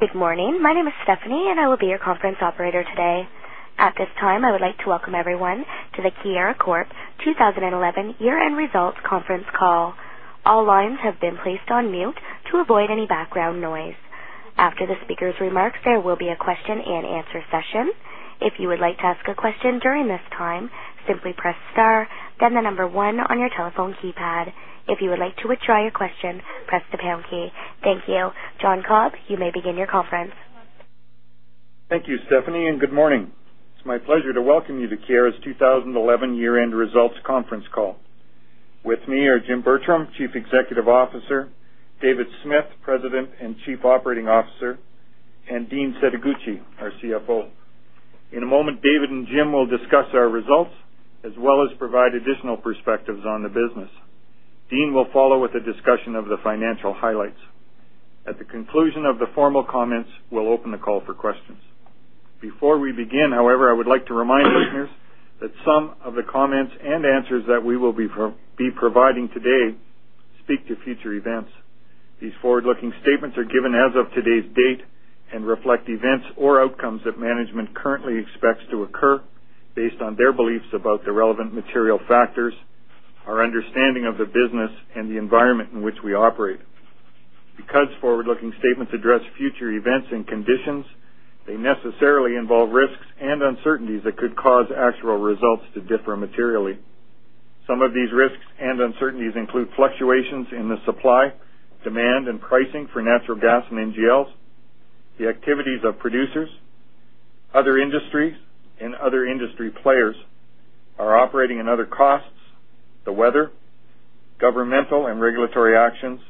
Good morning. My name is Stephanie, and I will be your conference operator today. At this time, I would like to welcome everyone to the Keyera Corp 2011 Year-End Results Conference Call. All lines have been placed on mute to avoid any background noise. After the speakers' remarks, there will be a question and answer session. If you would like to ask a question during this time, simply press star, then the number one on your telephone keypad. If you would like to withdraw your question, press the pound key. Thank you. John Cobb, you may begin your conference. Thank you, Stephanie, and good morning. It's my pleasure to welcome you to Keyera's 2011 Year-End Results Conference Call. With me are Jim Bertram, Chief Executive Officer, David Smith, President and Chief Operating Officer, and Dean Setoguchi, our CFO. In a moment, David and Jim will discuss our results as well as provide additional perspectives on the business. Dean will follow with a discussion of the financial highlights. At the conclusion of the formal comments, we'll open the call for questions. Before we begin, however, I would like to remind listeners that some of the comments and answers that we will be providing today speak to future events. These forward-looking statements are given as of today's date and reflect events or outcomes that management currently expects to occur based on their beliefs about the relevant material factors, our understanding of the business, and the environment in which we operate. Because forward-looking statements address future events and conditions, they necessarily involve risks and uncertainties that could cause actual results to differ materially. Some of these risks and uncertainties include fluctuations in the supply, demand, and pricing for natural gas and NGLs, the activities of producers, other industries, and other industry players, operating and other costs, the weather, governmental and regulatory actions,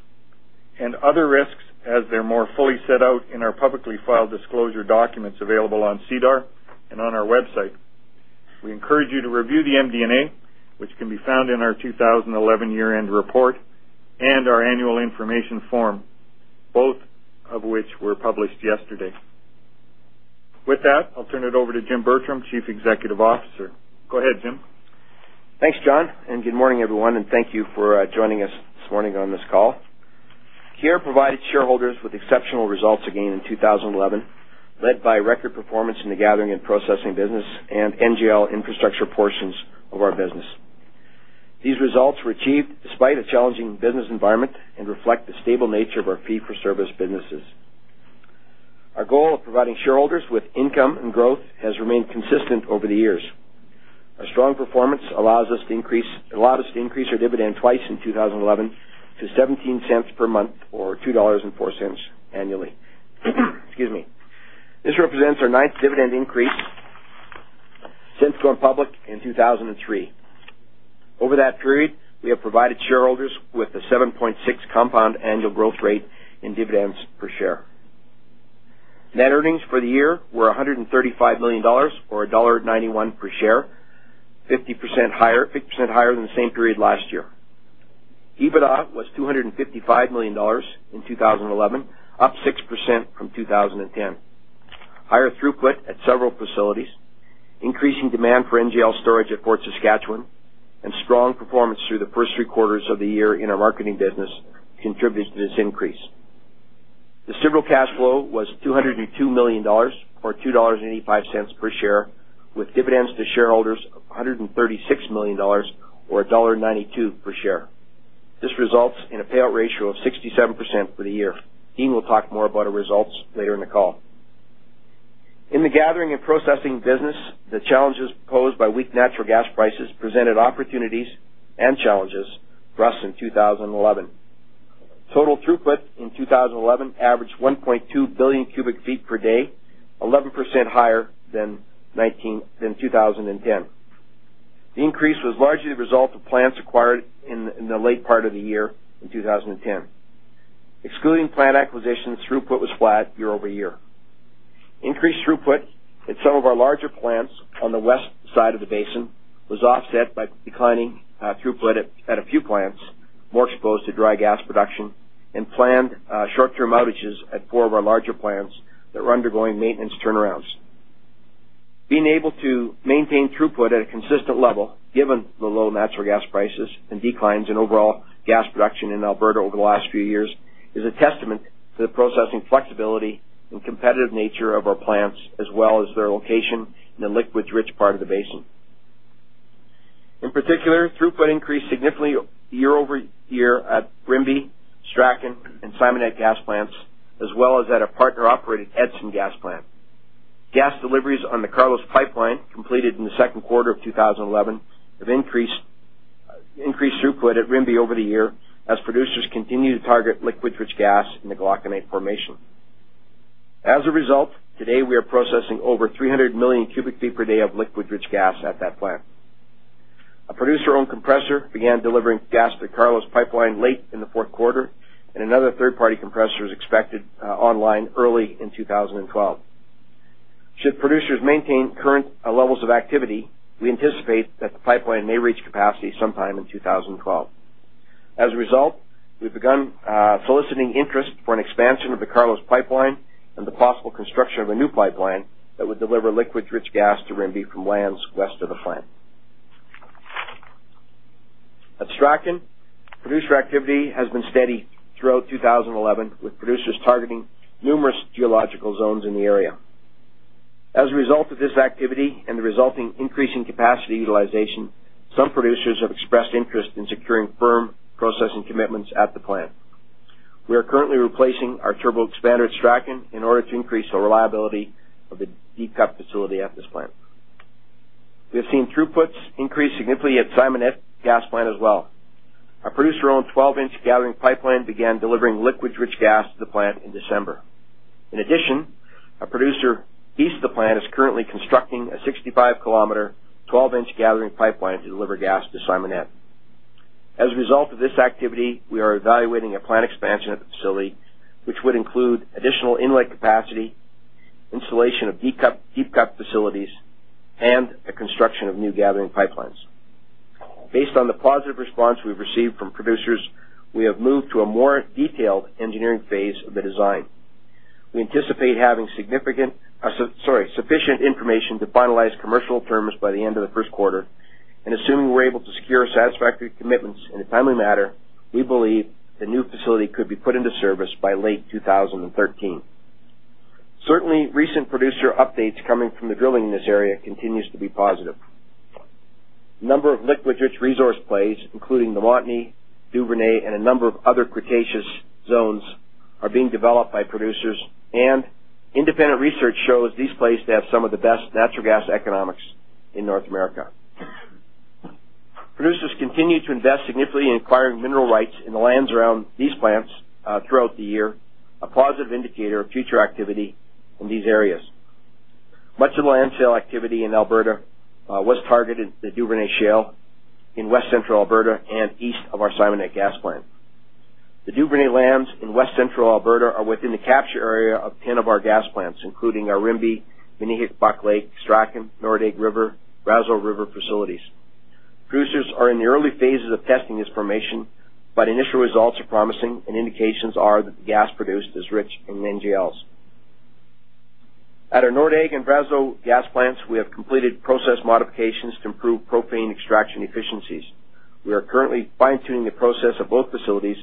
and other risks as they're more fully set out in our publicly filed disclosure documents available on SEDAR and on our website. We encourage you to review the MD&A, which can be found in our 2011 year-end report and our annual information form, both of which were published yesterday. With that, I'll turn it over to Jim Bertram, Chief Executive Officer. Go ahead, Jim. Thanks, John, and good morning, everyone, and thank you for joining us this morning on this call. Keyera provided shareholders with exceptional results again in 2011, led by record performance in the gathering and processing business and NGL infrastructure portions of our business. These results were achieved despite a challenging business environment and reflect the stable nature of our fee-for-service businesses. Our goal of providing shareholders with income and growth has remained consistent over the years. Our strong performance allowed us to increase our dividend twice in 2011 to 0.17 per month or 2.04 dollars annually. Excuse me. This represents our ninth dividend increase since going public in 2003. Over that period, we have provided shareholders with a 7.6% compound annual growth rate in dividends per share. Net earnings for the year were 135 million dollars, or dollar 1.91 per share, 50% higher than the same period last year. EBITDA was 255 million dollars in 2011, up 6% from 2010. Higher throughput at several facilities, increasing demand for NGL storage at Fort Saskatchewan, and strong performance through the first three quarters of the year in our marketing business contributed to this increase. Distributable cash flow was 202 million dollars or 2.85 dollars per share, with dividends to shareholders of 136 million dollars or dollar 1.92 per share. This results in a payout ratio of 67% for the year. Dean will talk more about our results later in the call. In the gathering and processing business, the challenges posed by weak natural gas prices presented opportunities and challenges for us in 2011. Total throughput in 2011 averaged 1.2 billion cu ft per day, 11% higher than 2010. The increase was largely the result of plants acquired in the late part of the year in 2010. Excluding plant acquisitions, throughput was flat year-over-year. Increased throughput in some of our larger plants on the west side of the basin was offset by declining throughput at a few plants more exposed to dry gas production and planned short-term outages at four of our larger plants that were undergoing maintenance turnarounds. Being able to maintain throughput at a consistent level, given the low natural gas prices and declines in overall gas production in Alberta over the last few years, is a testament to the processing flexibility and competitive nature of our plants, as well as their location in the liquids-rich part of the basin. In particular, throughput increased significantly year-over-year at Rimbey, Strachan, and Simonette gas plants, as well as at a partner-operated Edson gas plant. Gas deliveries on the Carlos pipeline, completed in the second quarter of 2011, have increased throughput at Rimbey over the year as producers continue to target liquids-rich gas in the Glauconite formation. As a result, today we are processing over 300 million cu ft per day of liquids-rich gas at that plant. A producer-owned compressor began delivering gas to the Carlos pipeline late in the fourth quarter, and another third-party compressor is expected online early in 2012. Should producers maintain current levels of activity, we anticipate that the pipeline may reach capacity sometime in 2012. As a result, we've begun soliciting interest for an expansion of the Carlos pipeline and the possible construction of a new pipeline that would deliver liquids-rich gas to Rimbey from lands west of the plant. Strachan. Producer activity has been steady throughout 2011, with producers targeting numerous geological zones in the area. As a result of this activity and the resulting increase in capacity utilization, some producers have expressed interest in securing firm processing commitments at the plant. We are currently replacing our turboexpander at Strachan in order to increase the reliability of the deep cut facility at this plant. We have seen throughputs increase significantly at Simonette gas plant as well. Our producer-owned 12 in gathering pipeline began delivering liquids-rich gas to the plant in December. In addition, our producer east of the plant is currently constructing a 65 km, 12 in gathering pipeline to deliver gas to Simonette. As a result of this activity, we are evaluating a plant expansion at the facility, which would include additional inlet capacity, installation of deep cut facilities, and the construction of new gathering pipelines. Based on the positive response we've received from producers, we have moved to a more detailed engineering phase of the design. We anticipate having sufficient information to finalize commercial terms by the end of the first quarter, and assuming we're able to secure satisfactory commitments in a timely matter, we believe the new facility could be put into service by late 2013. Certainly, recent producer updates coming from the drilling in this area continues to be positive. The number of liquids rich resource plays, including the Montney, Duvernay, and a number of other Cretaceous zones, are being developed by producers, and independent research shows these plays to have some of the best natural gas economics in North America. Producers continued to invest significantly in acquiring mineral rights in the lands around these plants throughout the year, a positive indicator of future activity in these areas. Much of the land sale activity in Alberta was targeted at the Duvernay Shale in west-central Alberta and east of our Simonette gas plant. The Duvernay lands in west-central Alberta are within the capture area of 10 of our gas plants, including our Rimbey, Minnehik-Buck Lake, Strachan, Nordegg River, Brazeau River facilities. Producers are in the early phases of testing this formation, but initial results are promising, and indications are that the gas produced is rich in NGLs. At our Nordegg and Brazeau gas plants, we have completed process modifications to improve propane extraction efficiencies. We are currently fine-tuning the process of both facilities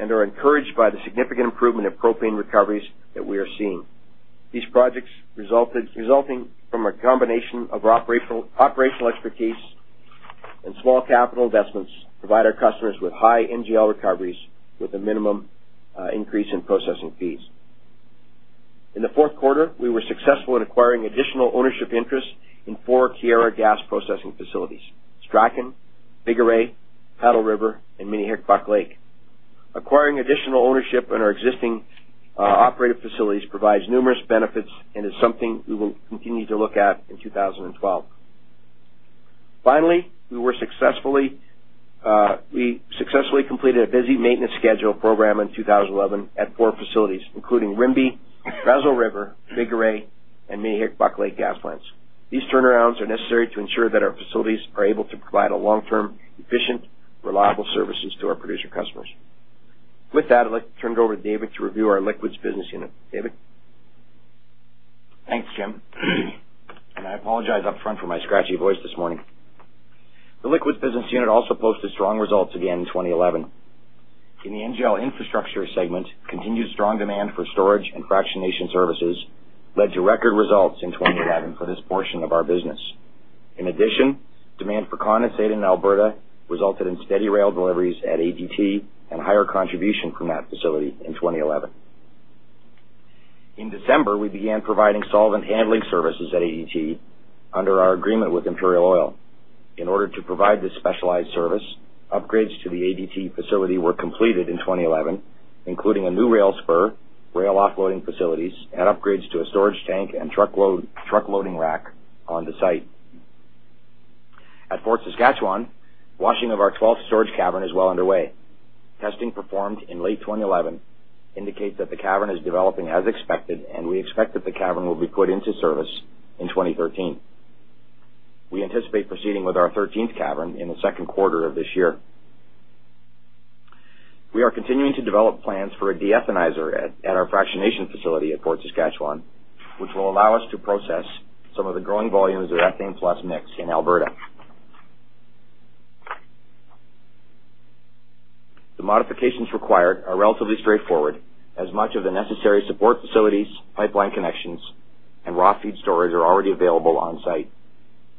and are encouraged by the significant improvement of propane recoveries that we are seeing. These projects, resulting from a combination of operational expertise and small capital investments, provide our customers with high NGL recoveries with a minimum increase in processing fees. In the fourth quarter, we were successful in acquiring additional ownership interest in four Keyera gas processing facilities- Strachan, Bigoray, Paddle River, and Minnehik-Buck Lake. Acquiring additional ownership in our existing operating facilities provides numerous benefits and is something we will continue to look at in 2012. Finally, we successfully completed a busy maintenance schedule program in 2011 at four facilities, including Rimbey, Brazeau River, Bigoray, and Minnehik-Buck Lake gas plants. These turnarounds are necessary to ensure that our facilities are able to provide a long-term, efficient, reliable services to our producer customers. With that, I'd like to turn it over to David to review our liquids business unit. David? Thanks, Jim. I apologize up front for my scratchy voice this morning. The liquids business unit also posted strong results again in 2011. In the NGL infrastructure segment, continued strong demand for storage and fractionation services led to record results in 2011 for this portion of our business. In addition, demand for condensate in Alberta resulted in steady rail deliveries at ADT and higher contribution from that facility in 2011. In December, we began providing solvent handling services at ADT under our agreement with Imperial Oil. In order to provide this specialized service, upgrades to the ADT facility were completed in 2011, including a new rail spur, rail offloading facilities, and upgrades to a storage tank and truck loading rack on the site. At Fort Saskatchewan, washing of our 12th storage cavern is well underway. Testing performed in late 2011 indicates that the cavern is developing as expected, and we expect that the cavern will be put into service in 2013. We anticipate proceeding with our 13th cavern in the second quarter of this year. We are continuing to develop plans for a deethanizer at our fractionation facility at Fort Saskatchewan, which will allow us to process some of the growing volumes of ethane plus mix in Alberta. The modifications required are relatively straightforward, as much of the necessary support facilities, pipeline connections, and raw feed storage are already available on-site.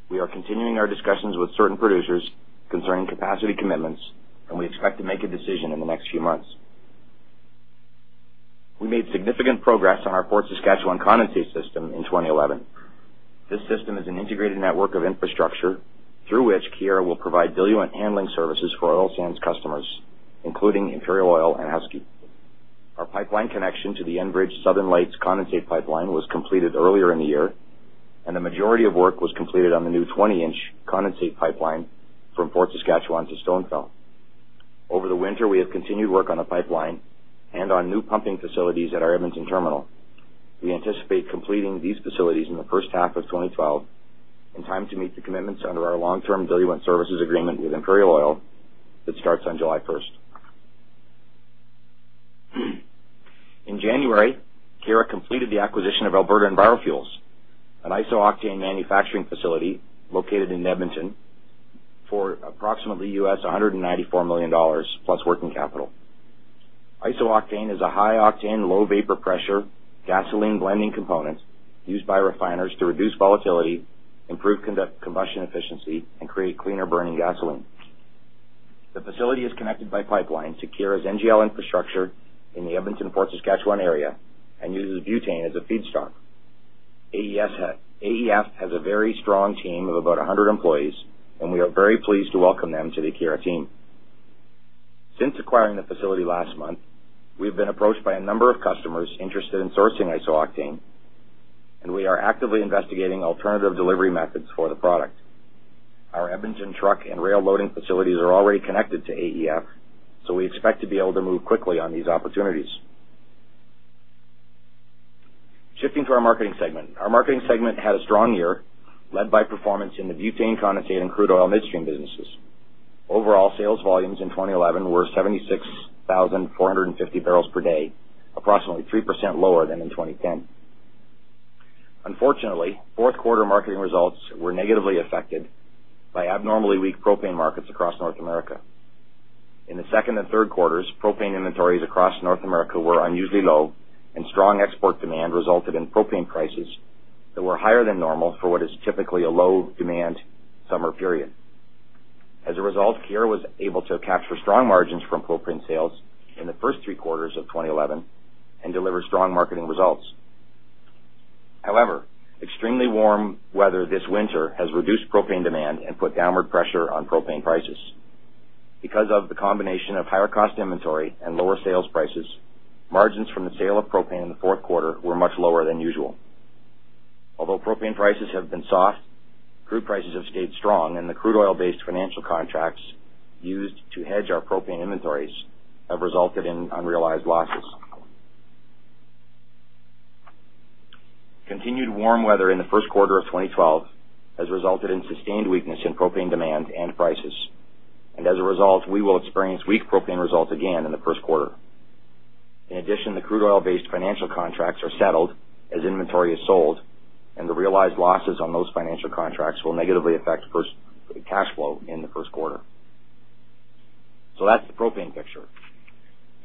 We are continuing our discussions with certain producers concerning capacity commitments, and we expect to make a decision in the next few months. We made significant progress on our Fort Saskatchewan condensate system in 2011. This system is an integrated network of infrastructure through which Keyera will provide diluent handling services for oil sands customers, including Imperial Oil and Husky. Our pipeline connection to the Enbridge Southern Lights condensate pipeline was completed earlier in the year, and the majority of work was completed on the new 20-in condensate pipeline from Fort Saskatchewan to Stonefell. Over the winter, we have continued work on the pipeline and on new pumping facilities at our Edmonton terminal. We anticipate completing these facilities in the first half of 2012 in time to meet the commitments under our long-term diluent services agreement with Imperial Oil that starts on July 1st. In January, Keyera completed the acquisition of Alberta EnviroFuels, an iso-octane manufacturing facility located in Edmonton for approximately $194 million plus working capital. Iso-octane is a high-octane, low vapor pressure gasoline blending component used by refiners to reduce volatility, improve combustion efficiency and create cleaner burning gasoline. The facility is connected by pipeline to Keyera's NGL infrastructure in the Edmonton/Fort Saskatchewan area and uses butane as a feedstock. AEF has a very strong team of about 100 employees and we are very pleased to welcome them to the Keyera team. Since acquiring the facility last month, we've been approached by a number of customers interested in sourcing iso-octane, and we are actively investigating alternative delivery methods for the product. Our Edmonton truck and rail loading facilities are already connected to AEF, so we expect to be able to move quickly on these opportunities. Shifting to our Marketing segment. Our Marketing segment had a strong year, led by performance in the butane condensate and crude oil midstream businesses. Overall, sales volumes in 2011 were 76,450 barrels per day, approximately 3% lower than in 2010. Unfortunately, fourth quarter marketing results were negatively affected by abnormally weak propane markets across North America. In the second and third quarters, propane inventories across North America were unusually low, and strong export demand resulted in propane prices that were higher than normal for what is typically a low-demand summer period. As a result, Keyera was able to capture strong margins from propane sales in the first three quarters of 2011 and deliver strong marketing results. However, extremely warm weather this winter has reduced propane demand and put downward pressure on propane prices. Because of the combination of higher cost inventory and lower sales prices, margins from the sale of propane in the fourth quarter were much lower than usual. Although propane prices have been soft, crude prices have stayed strong and the crude oil-based financial contracts used to hedge our propane inventories have resulted in unrealized losses. Continued warm weather in the first quarter of 2012 has resulted in sustained weakness in propane demand and prices, and as a result, we will experience weak propane results again in the first quarter. In addition, the crude oil-based financial contracts are settled as inventory is sold, and the realized losses on those financial contracts will negatively affect cash flow in the first quarter. That's the propane picture.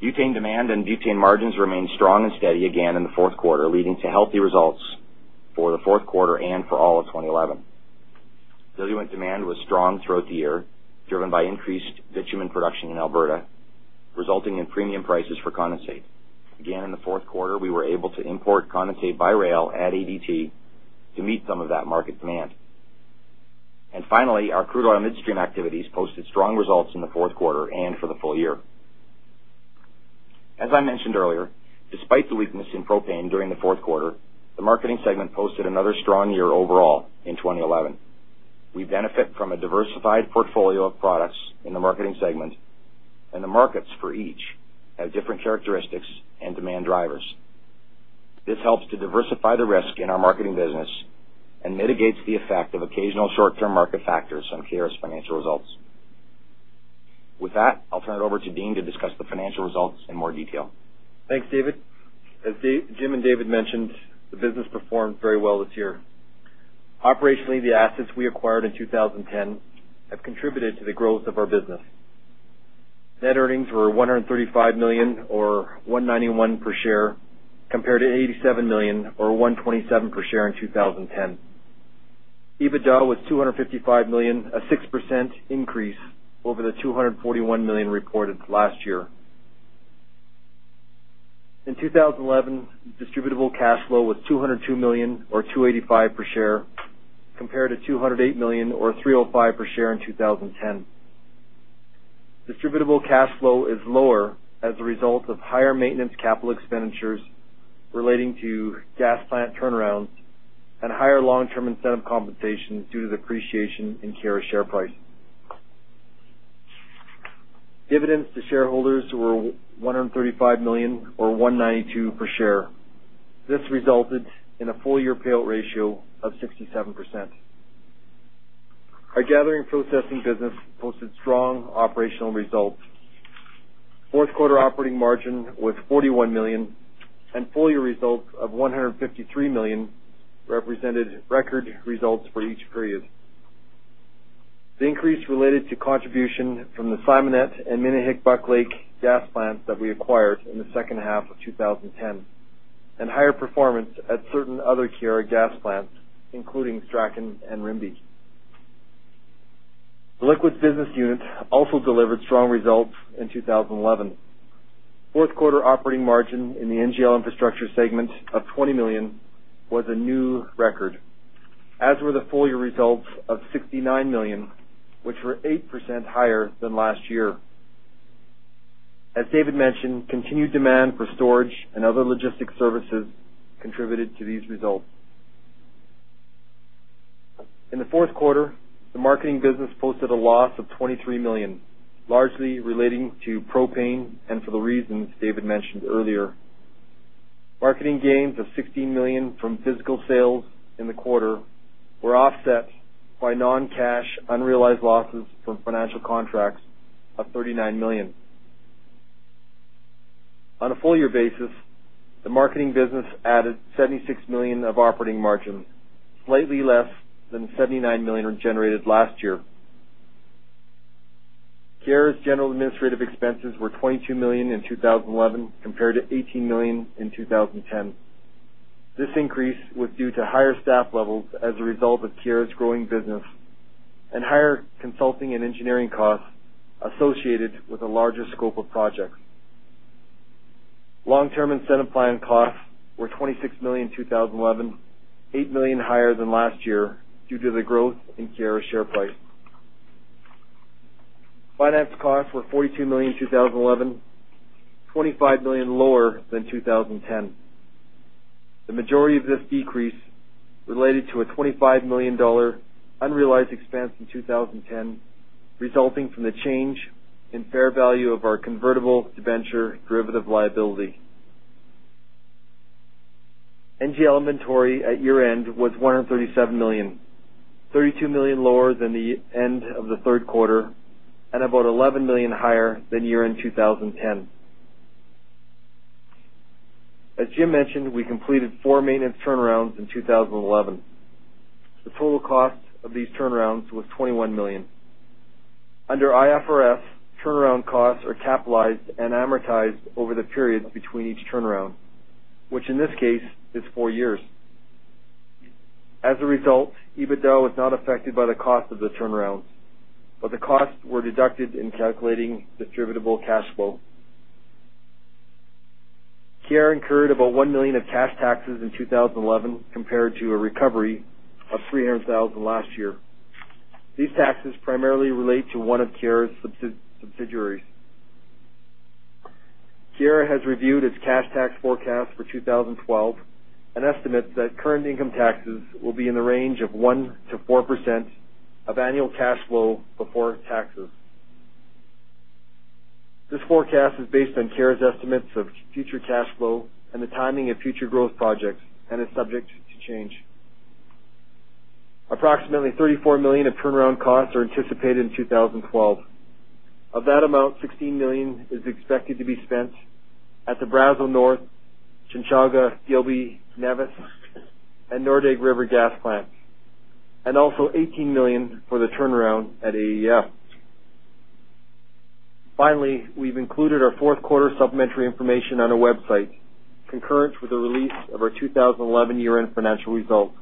Butane demand and butane margins remained strong and steady again in the fourth quarter, leading to healthy results for the fourth quarter and for all of 2011. Diluent demand was strong throughout the year, driven by increased bitumen production in Alberta, resulting in premium prices for condensate. Again, in the fourth quarter, we were able to import condensate by rail at ADT to meet some of that market demand. Finally, our crude oil midstream activities posted strong results in the fourth quarter and for the full year. As I mentioned earlier, despite the weakness in propane during the fourth quarter, the marketing segment posted another strong year overall in 2011. We benefit from a diversified portfolio of products in the marketing segment, and the markets for each have different characteristics and demand drivers. This helps to diversify the risk in our marketing business and mitigates the effect of occasional short-term market factors on Keyera's financial results. With that, I'll turn it over to Dean to discuss the financial results in more detail. Thanks, David. As Jim and David mentioned, the business performed very well this year. Operationally, the assets we acquired in 2010 have contributed to the growth of our business. Net earnings were 135 million, or 1.91 per share, compared to 87 million or 1.27 per share in 2010. EBITDA was 255 million, a 6% increase over the 241 million reported last year. In 2011, distributable cash flow was 202 million or 2.85 per share, compared to 208 million or 3.05 per share in 2010. Distributable cash flow is lower as a result of higher maintenance capital expenditures relating to gas plant turnarounds and higher long-term incentive compensation due to the appreciation in Keyera's share price. Dividends to shareholders were 135 million or 1.91 per share. This resulted in a full-year payout ratio of 67%. Our gathering processing business posted strong operational results. Fourth quarter operating margin was 41 million and full year results of 153 million represented record results for each period. The increase related to contribution from the Simonette and Minnehik-Buck Lake gas plants that we acquired in the second half of 2010, and higher performance at certain other Keyera gas plants, including Strachan and Rimbey. The liquids business unit also delivered strong results in 2011. Fourth quarter operating margin in the NGL infrastructure segment of 20 million was a new record, as were the full year results of 69 million, which were 8% higher than last year. As David mentioned, continued demand for storage and other logistics services contributed to these results. In the fourth quarter, the marketing business posted a loss of 23 million, largely relating to propane and for the reasons David mentioned earlier. Marketing gains of 16 million from physical sales in the quarter were offset by non-cash unrealized losses from financial contracts of 39 million. On a full year basis, the marketing business added 76 million of operating margin, slightly less than the 79 million generated last year. Keyera's general administrative expenses were 22 million in 2011 compared to 18 million in 2010. This increase was due to higher staff levels as a result of Keyera's growing business and higher consulting and engineering costs associated with a larger scope of projects. Long-term incentive plan costs were 26 million in 2011, 8 million higher than last year due to the growth in Keyera's share price. Finance costs were 42 million in 2011, 25 million lower than 2010. The majority of this decrease related to a 25 million dollar unrealized expense in 2010, resulting from the change in fair value of our convertible debenture derivative liability. NGL inventory at year-end was 137 million, 32 million lower than the end of the third quarter, and about 11 million higher than year-end 2010. As Jim mentioned, we completed four maintenance turnarounds in 2011. The total cost of these turnarounds was 21 million. Under IFRS, turnaround costs are capitalized and amortized over the periods between each turnaround, which in this case is four years. As a result, EBITDA was not affected by the cost of the turnarounds, but the costs were deducted in calculating distributable cash flow. Keyera incurred about 1 million of cash taxes in 2011 compared to a recovery of 300,000 last year. These taxes primarily relate to one of Keyera's subsidiaries. Keyera has reviewed its cash tax forecast for 2012 and estimates that current income taxes will be in the range of 1%-4% of annual cash flow before taxes. This forecast is based on Keyera's estimates of future cash flow and the timing of future growth projects and is subject to change. Approximately 34 million of turnaround costs are anticipated in 2012. Of that amount, 16 million is expected to be spent at the Brazeau North, Chinchaga, Gilby, Nevis, and Nordegg River gas plants, and also 18 million for the turnaround at AEF. Finally, we've included our fourth-quarter supplementary information on our website, concurrent with the release of our 2011 year-end financial results.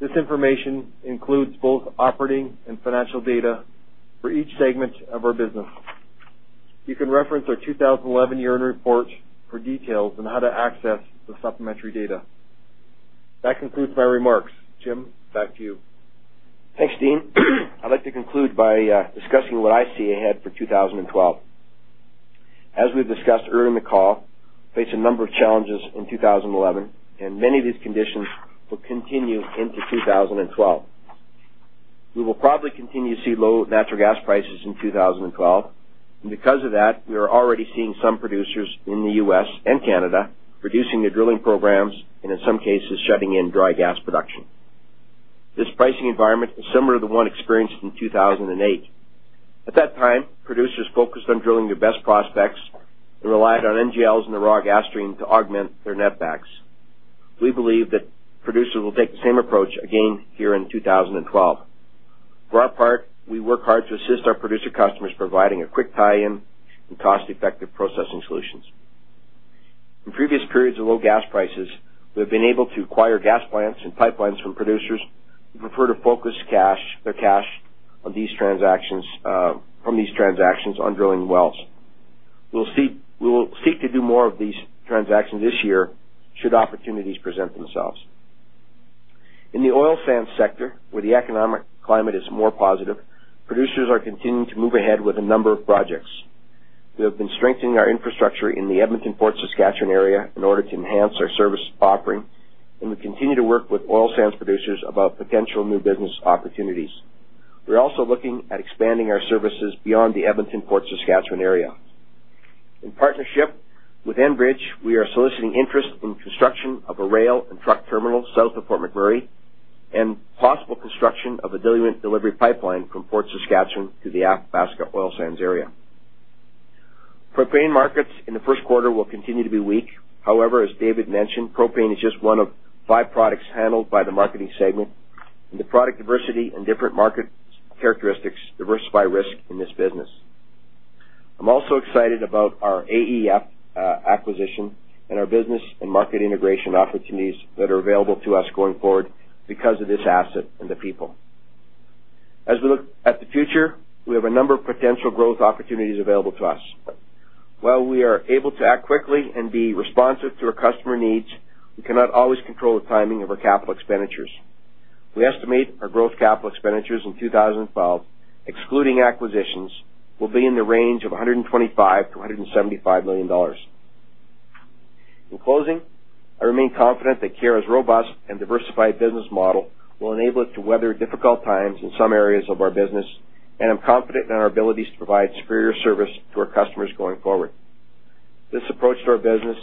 This information includes both operating and financial data for each segment of our business. You can reference our 2011 year-end report for details on how to access the supplementary data. That concludes my remarks. Jim, back to you. Thanks, Dean. I'd like to conclude by discussing what I see ahead for 2012. As we've discussed earlier in the call, we faced a number of challenges in 2011, and many of these conditions will continue into 2012. We will probably continue to see low natural gas prices in 2012, and because of that, we are already seeing some producers in the U.S. and Canada reducing their drilling programs and, in some cases, shutting in dry gas production. This pricing environment is similar to the one experienced in 2008. At that time, producers focused on drilling their best prospects and relied on NGLs and the raw gas stream to augment their netbacks. We believe that producers will take the same approach again here in 2012. For our part, we work hard to assist our producer customers, providing a quick tie-in and cost-effective processing solutions. In previous periods of low gas prices, we have been able to acquire gas plants and pipelines from producers who prefer to focus their cash from these transactions on drilling wells. We will seek to do more of these transactions this year should opportunities present themselves. In the oil sands sector, where the economic climate is more positive, producers are continuing to move ahead with a number of projects. We have been strengthening our infrastructure in the Edmonton-Fort Saskatchewan area in order to enhance our service offering, and we continue to work with oil sands producers about potential new business opportunities. We're also looking at expanding our services beyond the Edmonton-Fort Saskatchewan area. In partnership with Enbridge, we are soliciting interest in construction of a rail and truck terminal south of Fort McMurray and possible construction of a diluent delivery pipeline from Fort Saskatchewan to the Athabasca oil sands area. Propane markets in the first quarter will continue to be weak. However, as David mentioned, propane is just one of five products handled by the marketing segment, and the product diversity and different market characteristics diversify risk in this business. I'm also excited about our AEF acquisition and our business and market integration opportunities that are available to us going forward because of this asset and the people. As we look at the future, we have a number of potential growth opportunities available to us. While we are able to act quickly and be responsive to our customer needs, we cannot always control the timing of our capital expenditures. We estimate our growth capital expenditures in 2012, excluding acquisitions, will be in the range of 125 million-175 million dollars. In closing, I remain confident that Keyera's robust and diversified business model will enable it to weather difficult times in some areas of our business, and I'm confident in our abilities to provide superior service to our customers going forward. This approach to our business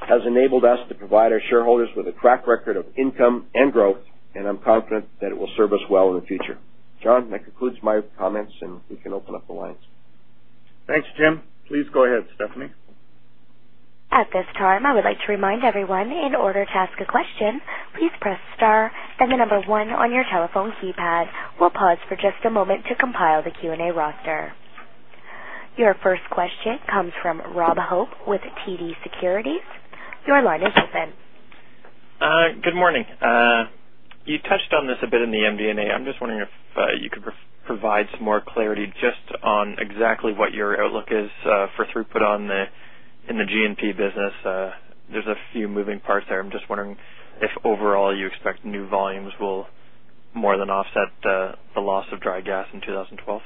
has enabled us to provide our shareholders with a track record of income and growth, and I'm confident that it will serve us well in the future. John, that concludes my comments, and we can open up the lines. Thanks, Jim. Please go ahead, Stephanie. At this time, I would like to remind everyone, in order to ask a question, please press star and the number one on your telephone keypad. We'll pause for just a moment to compile the Q&A roster. Your first question comes from Rob Hope with TD Securities. Your line is open. Good morning. You touched on this a bit in the MD&A. I'm just wondering if you could provide some more clarity just on exactly what your outlook is for throughput in the G&P business. There's a few moving parts there. I'm just wondering if overall you expect new volumes will more than offset the loss of dry gas in 2012.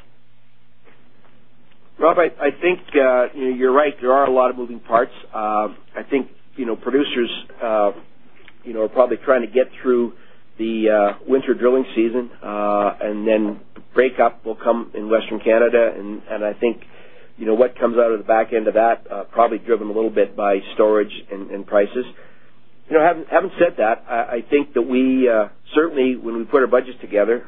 Rob, I think you're right. There are a lot of moving parts. I think producers are probably trying to get through the winter drilling season, and then breakup will come in Western Canada. I think what comes out of the back end of that, probably driven a little bit by storage and prices. Having said that, I think that we, certainly when we put our budgets together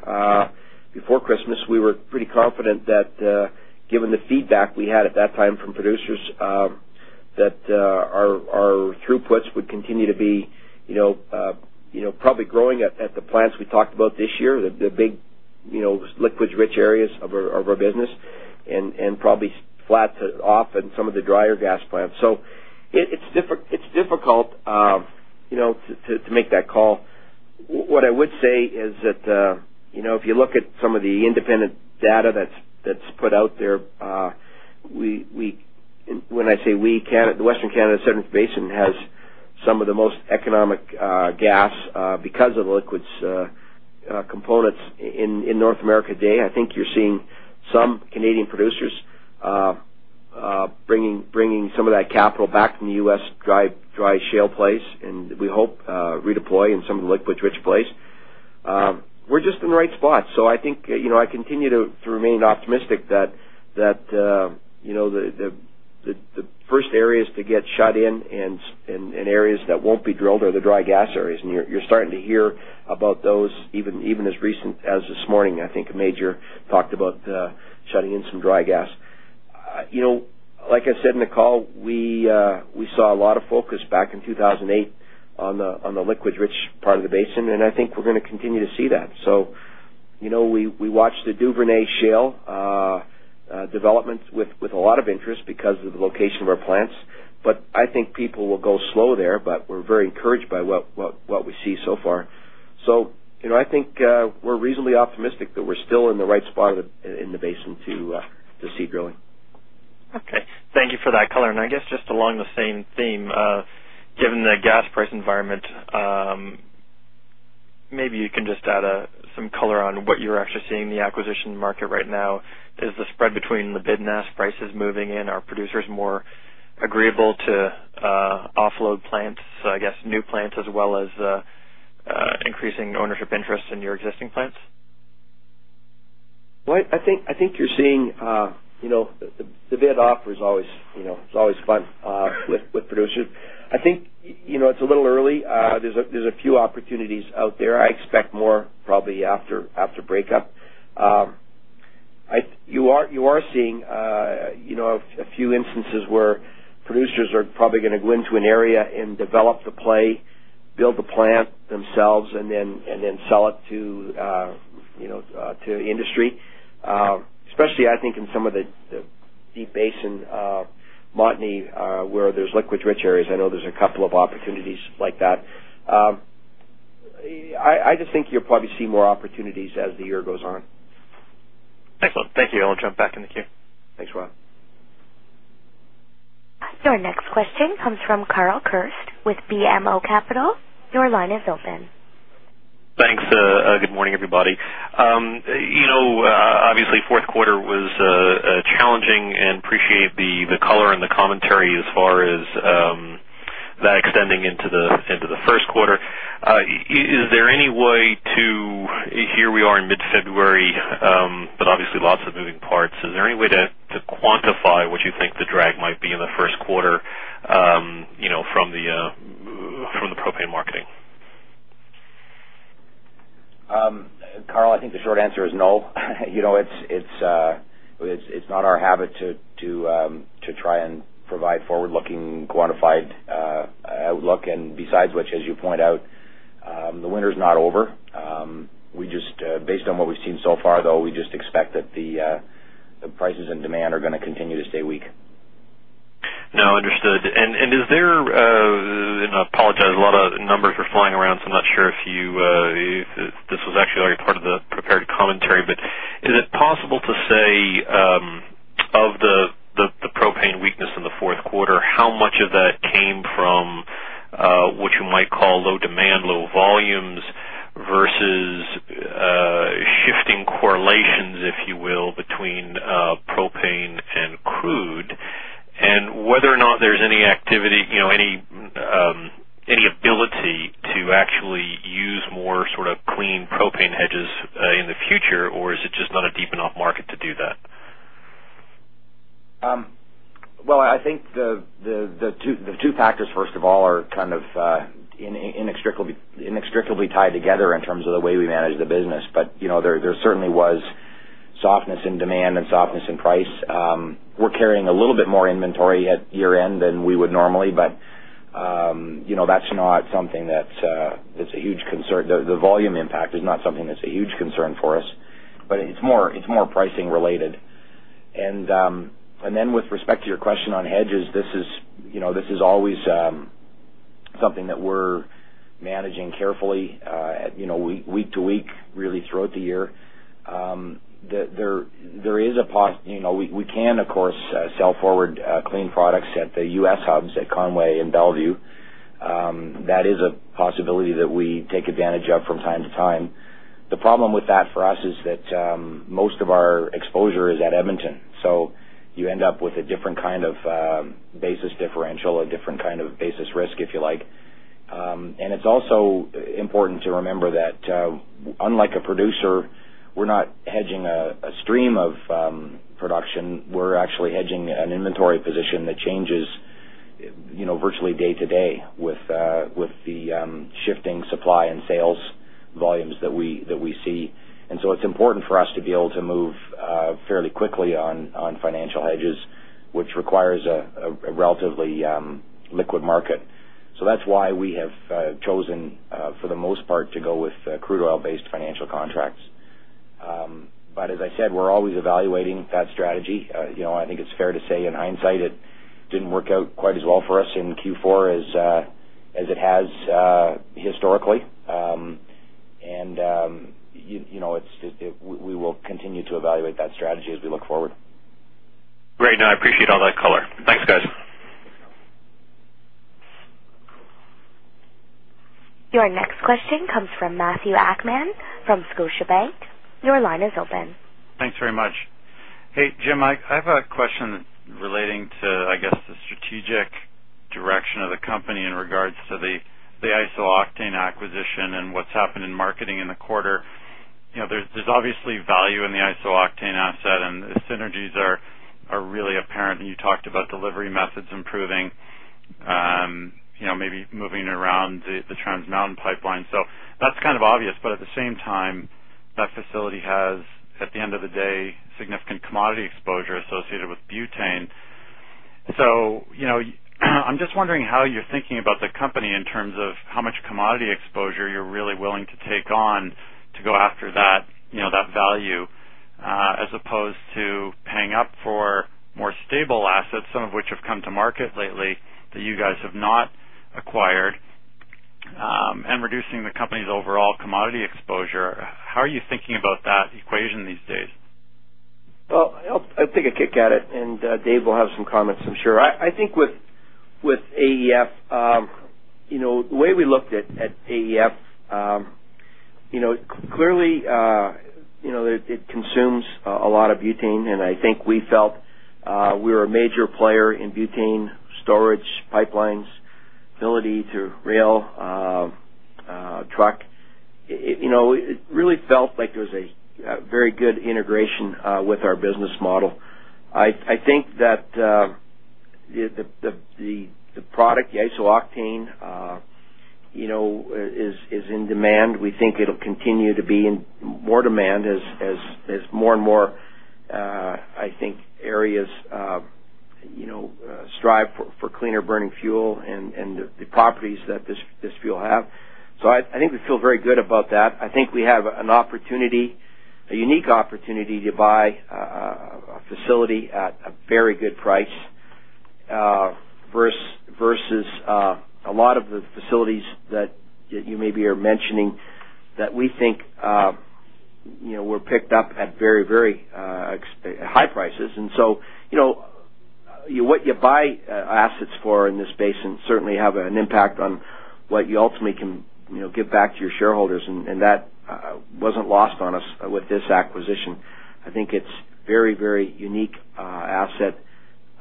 before Christmas, we were pretty confident that given the feedback we had at that time from producers, that our throughputs would continue to be probably growing at the plants we talked about this year- the big, liquids-rich areas of our business, and probably flat to off in some of the drier gas plants. It's difficult to make that call. What I would say is that, if you look at some of the independent data that's put out there. When I say we, the Western Canada Sedimentary Basin has some of the most economic gas because of the liquids components in North America today. I think you're seeing some Canadian producers bringing some of that capital back from the U.S. dry shale plays, and we hope to redeploy in some of the liquids-rich plays. We're just in the right spot. I think I continue to remain optimistic that the first areas to get shut in and areas that won't be drilled are the dry gas areas. You're starting to hear about those even as recently as this morning. I think a major talked about shutting in some dry gas. Like I said in the call, we saw a lot of focus back in 2008 on the liquids-rich part of the basin, and I think we're going to continue to see that. We watch the Duvernay shale developments with a lot of interest because of the location of our plants. I think people will go slow there. We're very encouraged by what we see so far. I think we're reasonably optimistic that we're still in the right spot in the basin to see drilling. Okay. Thank you for that color. I guess just along the same theme. Given the gas price environment, maybe you can just add some color on what you're actually seeing in the acquisition market right now. Is the spread between the bid and ask prices moving in? Are producers more agreeable to offload plants, I guess new plants as well as increasing ownership interest in your existing plants? Well, I think you're seeing the bid offer is always fun with producers. I think it's a little early. There's a few opportunities out there. I expect more probably after breakup. You are seeing a few instances where producers are probably going to go into an area and develop the play, build the plant themselves, and then sell it to the industry. Especially I think in some of the Deep Basin Montney, where there's liquids-rich areas. I know there's a couple of opportunities like that. I just think you'll probably see more opportunities as the year goes on. Excellent. Thank you. I'll jump back in the queue. Thanks, Rob. Your next question comes from Carl Kirst with BMO Capital. Your line is open. Thanks. Good morning, everybody. Obviously, fourth quarter was challenging and appreciate the color and the commentary as far as that extending into the first quarter. Is there any way to- here we are in mid-February, but obviously lots of moving parts, is there any way to quantify what you think the drag might be in the first quarter from the propane marketing? Carl, I think the short answer is no. It's not our habit to try and provide forward-looking, quantified outlook, and besides which, as you point out, the winter's not over. Based on what we've seen so far, though, we just expect that the prices and demand are going to continue to stay weak. No, understood. Is there, and I apologize, a lot of numbers were flying around, so I'm not sure if this was actually part of the prepared commentary, but is it possible to say, of the propane weakness in the fourth quarter, how much of that came from, what you might call low demand, low volumes, versus shifting correlations, if you will, between propane and crude? Whether or not there's any activity, any ability to actually use more sort of clean propane hedges in the future, or is it just not a deep enough market to do that? Well, I think the two factors, first of all, are inextricably tied together in terms of the way we manage the business. There certainly was softness in demand and softness in price. We're carrying a little bit more inventory at year-end than we would normally, but that's not something that's a huge concern. The volume impact is not something that's a huge concern for us, but it's more pricing related. Then with respect to your question on hedges, this is always something that we're managing carefully, week to week, really throughout the year. We can, of course, sell forward clean products at the U.S. hubs at Conway and Belvieu. That is a possibility that we take advantage of from time to time. The problem with that for us is that most of our exposure is at Edmonton, so you end up with a different kind of basis differential, a different kind of basis risk, if you like. It's also important to remember that, unlike a producer, we're not hedging a stream of production. We're actually hedging an inventory position that changes virtually day to day with the shifting supply and sales volumes that we see. It's important for us to be able to move fairly quickly on financial hedges, which requires a relatively liquid market. That's why we have chosen, for the most part, to go with crude oil-based financial contracts. As I said, we're always evaluating that strategy. I think it's fair to say in hindsight, it didn't work out quite as well for us in Q4 as it has historically. We will continue to evaluate that strategy as we look forward. Great. No, I appreciate all that color. Thanks, guys. Your next question comes from Matthew Akman from Scotiabank. Your line is open. Thanks very much. Hey, Jim, I have a question relating to, I guess, the strategic direction of the company in regards to the iso-octane acquisition and what's happened in marketing in the quarter. There's obviously value in the iso-octane asset, and the synergies are really apparent. You talked about delivery methods improving, maybe moving around the Trans Mountain pipeline. That's obvious, but at the same time, that facility has, at the end of the day, significant commodity exposure associated with butane. I'm just wondering how you're thinking about the company in terms of how much commodity exposure you're really willing to take on to go after that value, as opposed to paying up for more stable assets, some of which have come to market lately that you guys have not acquired, and reducing the company's overall commodity exposure. How are you thinking about that equation these days? Well, I'll take a kick at it, and Dave will have some comments, I'm sure. I think with AEF, the way we looked at AEF, clearly, it consumes a lot of butane, and I think we felt we were a major player in butane storage pipelines, ability to rail, truck. It really felt like there was a very good integration with our business model. I think that the product, the iso-octane is in demand. We think it'll continue to be in more demand as more and more, I think, areas strive for cleaner burning fuel and the properties that this fuel have. I think we feel very good about that. I think we have an opportunity, a unique opportunity to buy a facility at a very good price versus a lot of the facilities that you maybe are mentioning that we think were picked up at very high prices. What you buy assets for in this space certainly have an impact on what you ultimately can give back to your shareholders, and that wasn't lost on us with this acquisition. I think it's very unique asset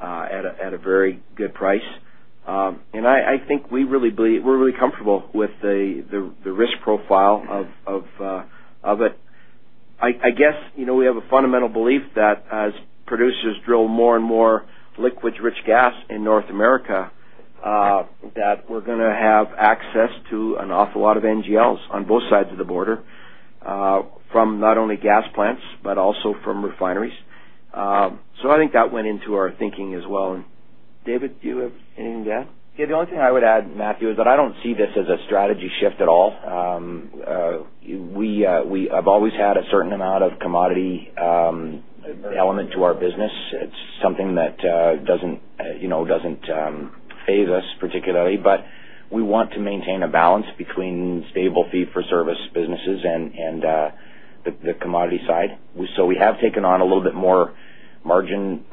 at a very good price. I think we're really comfortable with the risk profile of it. I guess, we have a fundamental belief that as producers drill more and more liquids-rich gas in North America, that we're going to have access to an awful lot of NGLs on both sides of the border from not only gas plants, but also from refineries. I think that went into our thinking as well. David, do you have anything to add? Yeah, the only thing I would add, Matthew, is that I don't see this as a strategy shift at all. I've always had a certain amount of commodity element to our business. It's something that doesn't faze us particularly, but we want to maintain a balance between stable fee-for-service businesses and the commodity side. We have taken on a little bit more margin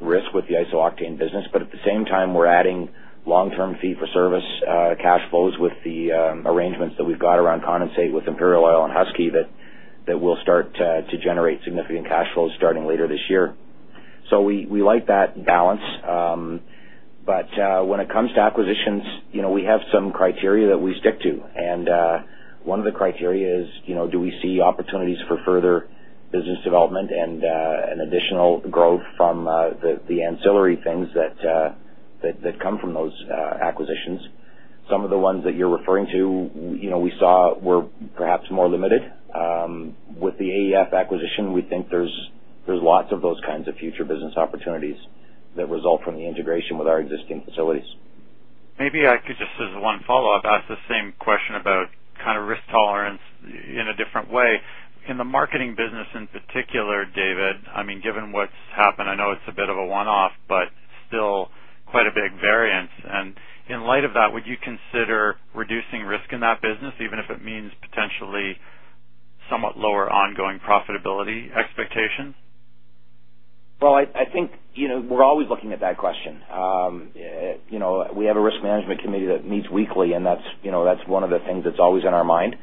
risk with the iso-octane business. At the same time, we're adding long-term fee-for-service cash flows with the arrangements that we've got around condensate with Imperial Oil and Husky that will start to generate significant cash flows starting later this year. We like that balance. When it comes to acquisitions, we have some criteria that we stick to. One of the criteria is- do we see opportunities for further business development and additional growth from the ancillary things that come from those acquisitions? Some of the ones that you're referring to we saw were perhaps more limited. With the AEF acquisition, we think there's lots of those kinds of future business opportunities that result from the integration with our existing facilities. Maybe I could just, as one follow-up, ask the same question about risk tolerance in a different way. In the marketing business in particular, David, given what's happened, I know it's a bit of a one-off, but still quite a big variance. In light of that, would you consider reducing risk in that business, even if it means potentially somewhat lower ongoing profitability expectations? Well, I think, we're always looking at that question. We have a risk management committee that meets weekly, and that's one of the things that's always in our mind.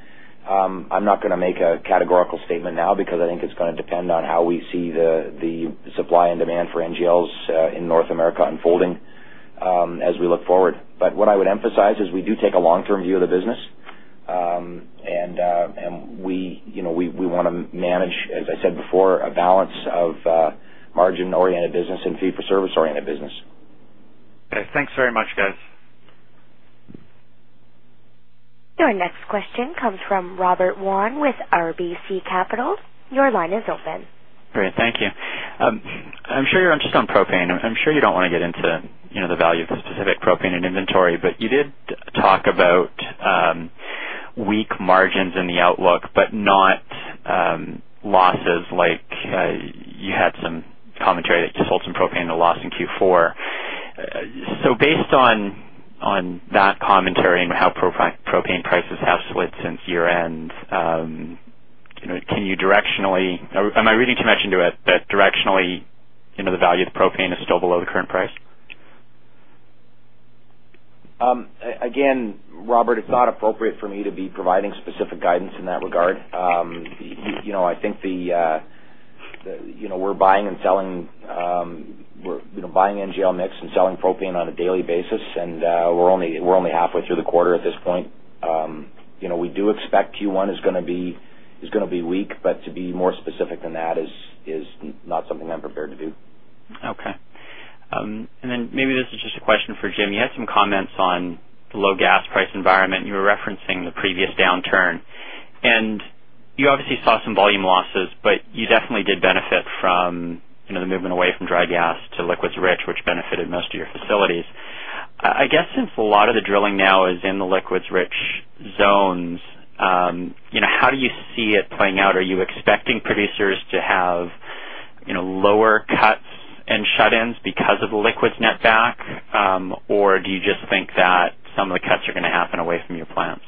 I'm not going to make a categorical statement now because I think it's going to depend on how we see the supply and demand for NGLs in North America unfolding as we look forward. What I would emphasize is we do take a long-term view of the business. We want to manage, as I said before, a balance of margin-oriented business and fee-for-service-oriented business. Okay. Thanks very much, guys. Your next question comes from Robert Kwan with RBC Capital. Your line is open. Great. Thank you. Just on propane, I'm sure you don't want to get into the value of the specific propane in inventory, but you did talk about weak margins in the outlook, but not losses, like you had some commentary that you sold some propane at a loss in Q4. Based on that commentary and how propane prices have split since year-end, am I reading too much into it that directionally, the value of the propane is still below the current price? Again, Robert, it's not appropriate for me to be providing specific guidance in that regard. I think we're buying NGL mix and selling propane on a daily basis, and we're only halfway through the quarter at this point. We do expect Q1 is going to be weak, but to be more specific than that is not something I'm prepared to do. Okay. Maybe this is just a question for Jim. You had some comments on the low gas price environment, and you were referencing the previous downturn. You obviously saw some volume losses, but you definitely did benefit from the movement away from dry gas to liquids-rich, which benefited most of your facilities. I guess since a lot of the drilling now is in the liquids-rich zones, how do you see it playing out? Are you expecting producers to have lower cuts and shut-ins because of the liquids netback? Or do you just think that some of the cuts are going to happen away from your plants?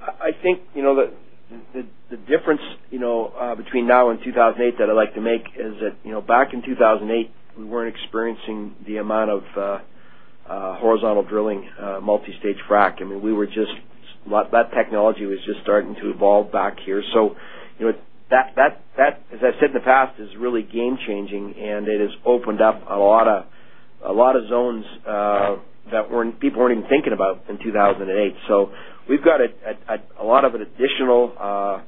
I think the difference between now and 2008 that I'd like to make is that back in 2008, we weren't experiencing the amount of horizontal drilling multi-stage frack. That technology was just starting to evolve back here. As I've said in the past, it is really game changing, and it has opened up a lot of zones that people weren't even thinking about in 2008. We've got a lot of additional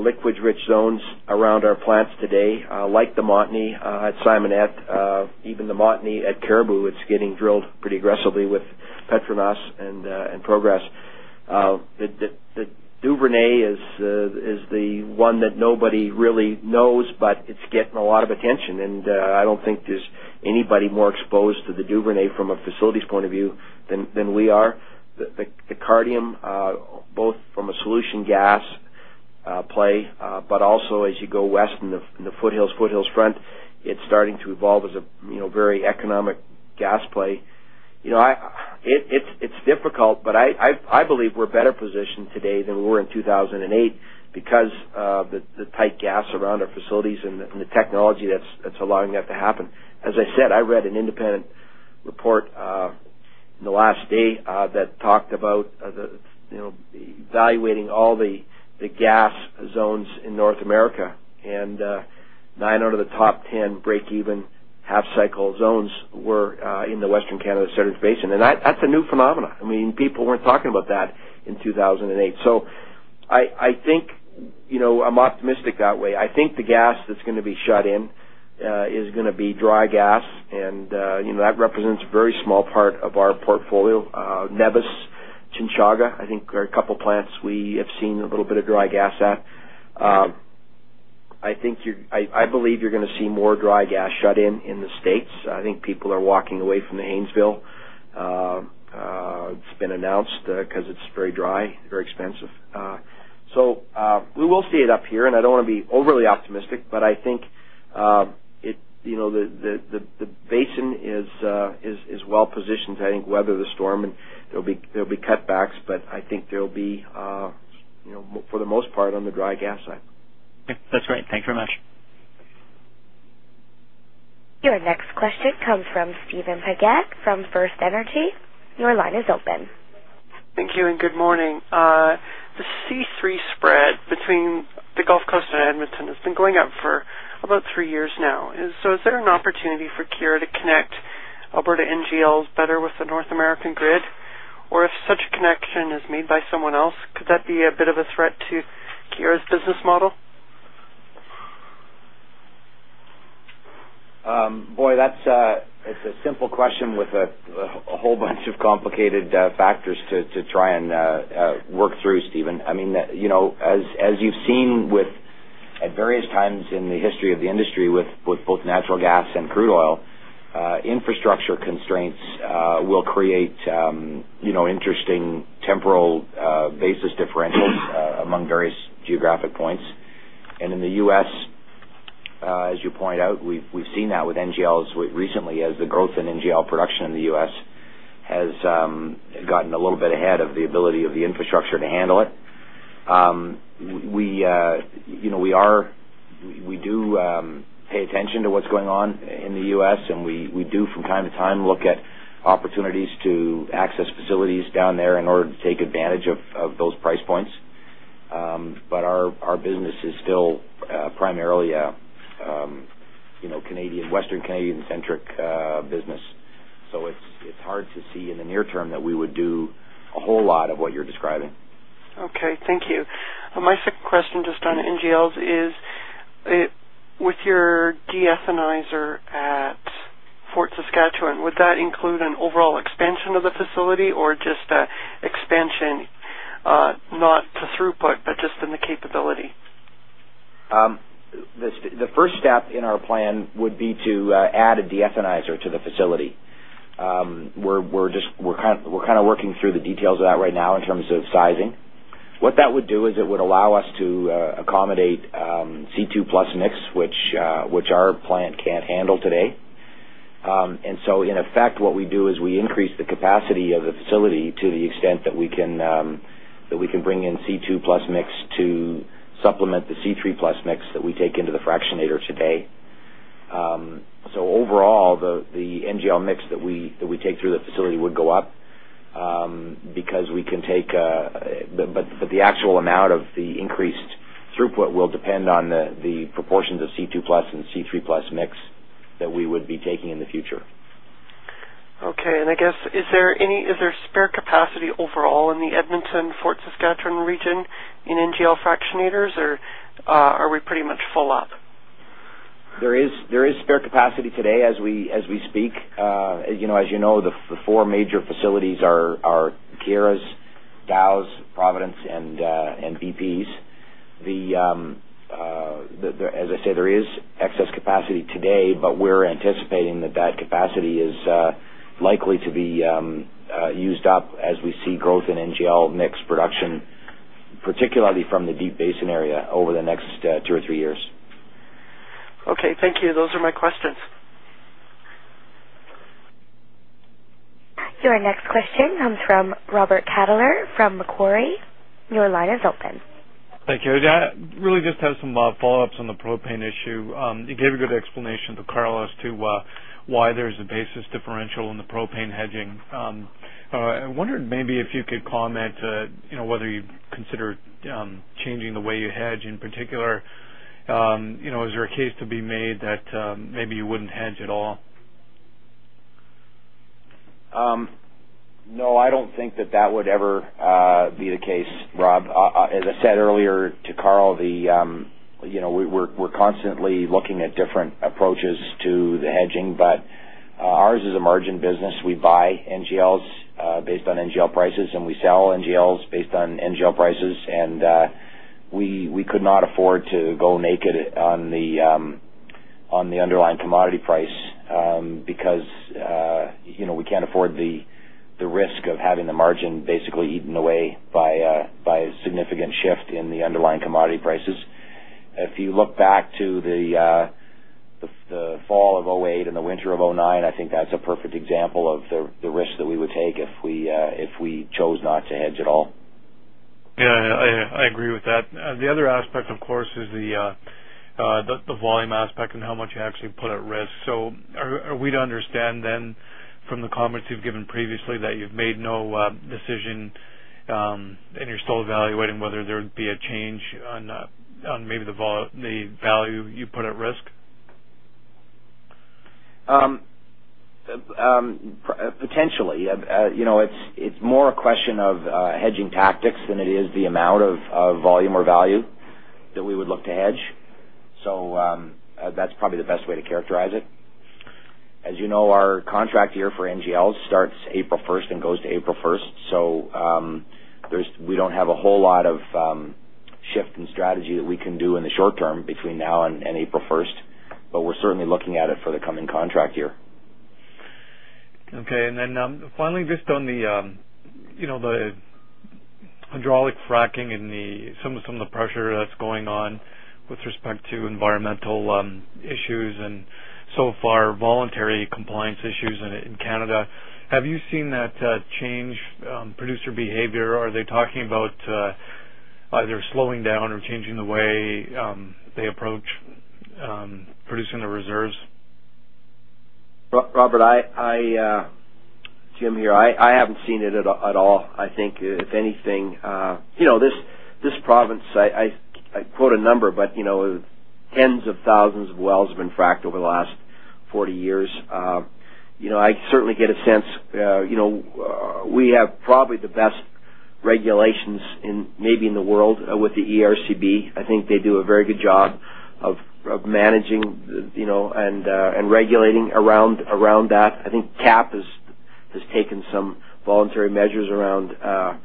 liquids-rich zones around our plants today like the Montney at Simonette. Even the Montney at Caribou, it's getting drilled pretty aggressively with Petronas and Progress. The Duvernay is the one that nobody really knows, but it's getting a lot of attention, and I don't think there's anybody more exposed to the Duvernay from a facilities point of view than we are. The Cardium, both from a solution gas play, but also as you go west in the foothills front, it's starting to evolve as a very economic gas play. It's difficult, but I believe we're better positioned today than we were in 2008 because of the tight gas around our facilities and the technology that's allowing that to happen. As I said, I read an independent report in the last day that talked about evaluating all the gas zones in North America, and nine out of the top 10 break-even half-cycle zones were in the Western Canada Sedimentary Basin. That's a new phenomenon- people weren't talking about that in 2008. I think I'm optimistic that way. I think the gas that's going to be shut in is going to be dry gas, and that represents a very small part of our portfolio. Nevis, Chinchaga, I think are a couple of plants we have seen a little bit of dry gas at. I believe you're going to see more dry gas shut in the States. I think people are walking away from the Haynesville. It's been announced because it's very dry, very expensive. So we will see it up here, and I don't want to be overly optimistic, but I think the basin is well positioned to, I think, weather the storm. There'll be cutbacks, but I think there'll be, for the most part, on the dry gas side. Okay. That's great. Thank you very much. Your next question comes from Steven Paget from FirstEnergy. Your line is open. Thank you and good morning. The C3 spread between the Gulf Coast and Edmonton has been going up for about three years now. Is there an opportunity for Keyera to connect Alberta NGLs better with the North American grid? If such a connection is made by someone else, could that be a bit of a threat to Keyera's business model? Boy, that's a simple question with a whole bunch of complicated factors to try and work through, Steven. As you've seen at various times in the history of the industry with both natural gas and crude oil, infrastructure constraints will create interesting temporal basis differentials among various geographic points. In the U.S., as you point out, we've seen that with NGLs recently as the growth in NGL production in the U.S. has gotten a little bit ahead of the ability of the infrastructure to handle it. We do pay attention to what's going on in the U.S., and we do, from time to time, look at opportunities to access facilities down there in order to take advantage of those price points. Our business is still primarily a Western Canadian-centric business. It's hard to see in the near term that we would do a whole lot of what you're describing. Okay. Thank you. My second question, just on NGLs, is with your deethanizer at Fort Saskatchewan, would that include an overall expansion of the facility or just expansion, not to throughput, but just in the capability? The first step in our plan would be to add a deethanizer to the facility. We're working through the details of that right now in terms of sizing. What that would do is it would allow us to accommodate C2+ mix, which our plant can't handle today. In effect, what we do is we increase the capacity of the facility to the extent that we can bring in C2+ mix to supplement the C3+ mix that we take into the fractionator today. Overall, the NGL mix that we take through the facility would go up. The actual amount of the increased throughput will depend on the proportions of C2+ and C3+ mix that we would be taking in the future. Okay. I guess, is there spare capacity overall in the Edmonton, Fort Saskatchewan region in NGL fractionators, or are we pretty much full up? There is spare capacity today as we speak. As you know, the four major facilities are- Keyera's, Dow's, Provident, and BP's. As I say, there is excess capacity today, but we're anticipating that that capacity is likely to be used up as we see growth in NGL mix production, particularly from the Deep Basin area over the next two or three years. Okay, thank you. Those are my questions. Your next question comes from Robert Catellier from Macquarie. Your line is open. Thank you. I really just have some follow-ups on the propane issue. You gave a good explanation to Carl as to why there's a basis differential in the propane hedging. I wondered maybe if you could comment, whether you'd consider changing the way you hedge- in particular, is there a case to be made that maybe you wouldn't hedge at all? No, I don't think that would ever be the case, Rob. As I said earlier to Carl, we're constantly looking at different approaches to the hedging, but ours is a margin business. We buy NGLs based on NGL prices, and we sell NGLs based on NGL prices. We could not afford to go naked on the underlying commodity price, because we can't afford the risk of having the margin basically eaten away by a significant shift in the underlying commodity prices. If you look back to the fall of 2008 and the winter of 2009, I think that's a perfect example of the risk that we would take if we chose not to hedge at all. Yeah, I agree with that. The other aspect, of course, is the volume aspect and how much you actually put at risk. Are we to understand then, from the comments you've given previously, that you've made no decision, and you're still evaluating whether there'd be a change on maybe the value you put at risk? Potentially. It's more a question of hedging tactics than it is the amount of volume or value that we would look to hedge. That's probably the best way to characterize it. As you know, our contract year for NGL starts April 1st and goes to April 1st. We don't have a whole lot of shift in strategy that we can do in the short term between now and April 1st, but we're certainly looking at it for the coming contract year. Okay. Finally, just on the hydraulic fracking and some of the pressure that's going on with respect to environmental issues and so-called voluntary compliance issues in Canada. Have you seen that change producer behavior? Are they talking about either slowing down or changing the way they approach producing the reserves? Robert, Jim here. I haven't seen it at all. I think if anything, this province, I quote a number, but tens of thousands of wells have been fracked over the last 40 years. I certainly get a sense, we have probably the best regulations maybe in the world with the ERCB. I think they do a very good job of managing and regulating around that. I think CAPP has taken some voluntary measures around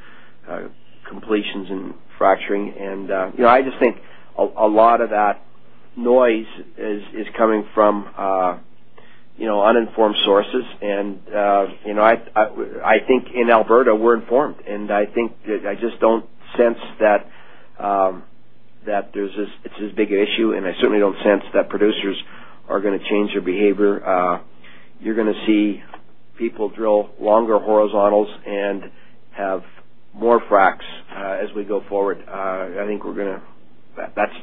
completions and fracturing. I just think a lot of that noise is coming from uninformed sources. I think in Alberta, we're informed, and I think that I just don't sense that it's this big issue, and I certainly don't sense that producers are going to change their behavior. You're going to see people drill longer horizontals and have more fracs as we go forward. That's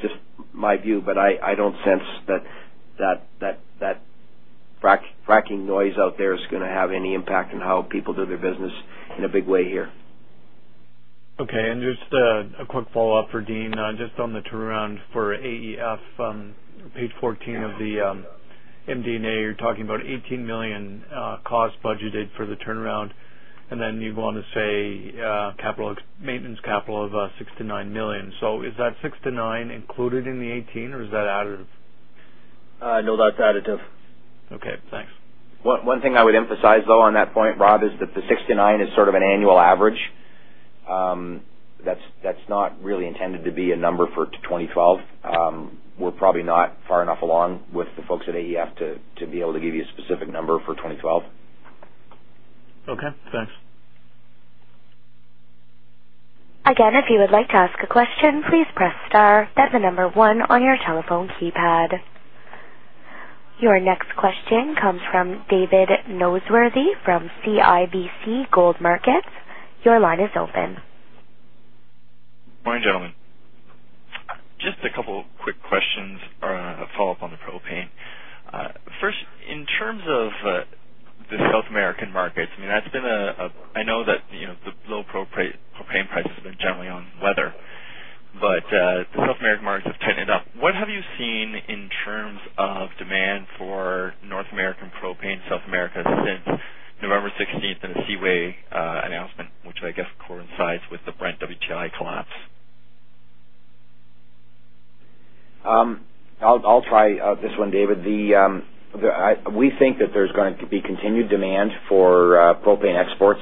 just my view, but I don't sense that fracking noise out there is going to have any impact on how people do their business in a big way here. Okay. Just a quick follow-up for Dean, just on the turnaround for AEF, page 14 of the MD&A, you're talking about 18 million cost budgeted for the turnaround, and then you go on to say maintenance capital of 6 million-9 million. Is that 6 million-9 million included in the 18 million, or is that additive? No, that's additive. Okay, thanks. One thing I would emphasize, though, on that point, Rob, is that the 6 million-9 million is sort of an annual average. That's not really intended to be a number for 2012. We're probably not far enough along with the folks at AEF to be able to give you a specific number for 2012. Okay, thanks. Again, if you would like to ask a question, please press star then the number one on your telephone keypad. Your next question comes from David Noseworthy from CIBC World Markets. Your line is open. Morning, gentlemen. Just a couple of quick questions or a follow-up on the propane. First, in terms of the South American markets, I know that the low propane prices have been generally on weather. The South American markets have tightened up. What have you seen in terms of demand for North American propane in South America since November 16th and the Seaway announcement, which I guess coincides with the Brent-WTI collapse? I'll try this one, David. We think that there's going to be continued demand for propane exports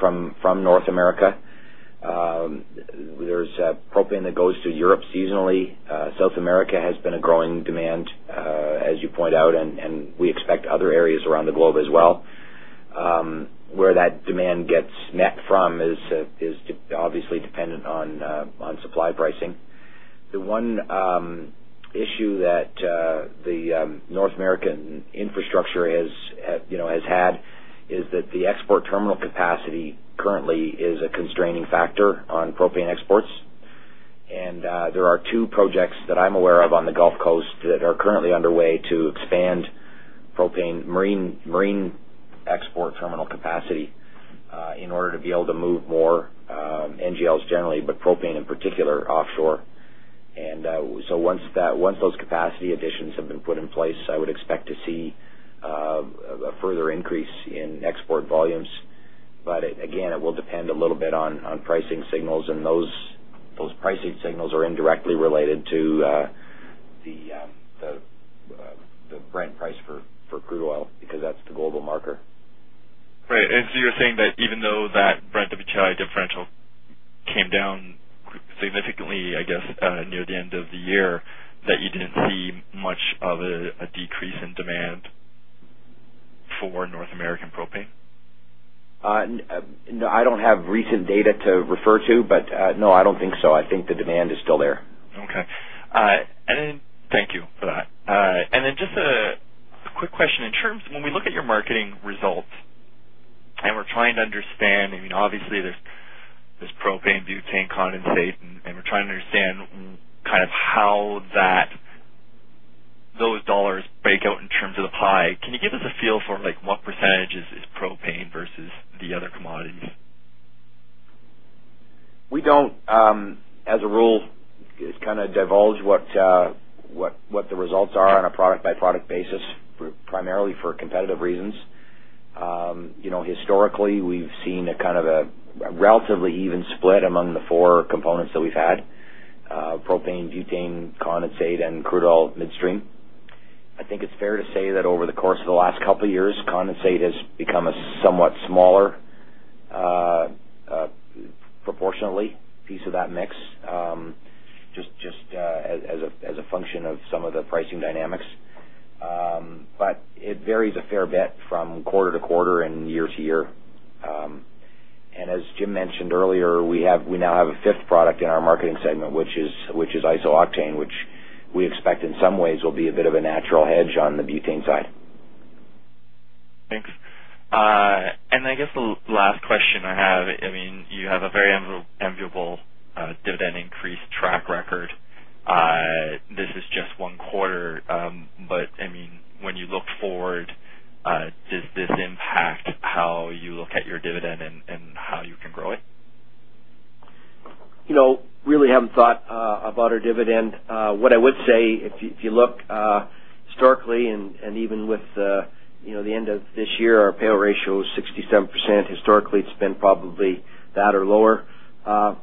from North America. There's propane that goes to Europe seasonally. South America has been a growing demand, as you point out, and we expect other areas around the globe as well. Where that demand gets met from is obviously dependent on supply pricing. The one issue that the North American infrastructure has had is that the export terminal capacity currently is a constraining factor on propane exports. There are two projects that I'm aware of on the Gulf Coast that are currently underway to expand propane marine export terminal capacity in order to be able to move more NGLs generally, but propane in particular, offshore. Once those capacity additions have been put in place, I would expect to see a further increase in export volumes. Again, it will depend a little bit on pricing signals, and those pricing signals are indirectly related to the Brent price for crude oil, because that's the global marker. Right. You're saying that even though that Brent-WTI differential came down significantly, I guess, near the end of the year, that you didn't see much of a decrease in demand for North American propane? No, I don't have recent data to refer to, but no, I don't think so. I think the demand is still there. Okay. Thank you for that. Just a quick question. When we look at your marketing results, and we're trying to understand, obviously, there's propane, butane, condensate, and we're trying to understand how those dollars break out in terms of the pie. Can you give us a feel for what percentage is propane versus the other commodities? We don't, as a rule, divulge what the results are on a product-by-product basis, primarily for competitive reasons. Historically, we've seen a relatively even split among the four components that we've had- propane, butane, condensate, and crude oil midstream. I think it's fair to say that over the course of the last couple of years, condensate has become a somewhat smaller, proportionately, piece of that mix, just as a function of some of the pricing dynamics. But it varies a fair bit from quarter to quarter and year to year. As Jim mentioned earlier, we now have a fifth product in our marketing segment, which is iso-octane, which we expect in some ways will be a bit of a natural hedge on the butane side. Thanks. I guess the last question I have, you have a very enviable dividend increase track record. This is just one quarter, but when you look forward, does this impact how you look at your dividend and how you can grow it? Really haven't thought about our dividend. What I would say, if you look historically, and even with the end of this year, our payout ratio is 67%. Historically, it's been probably that or lower.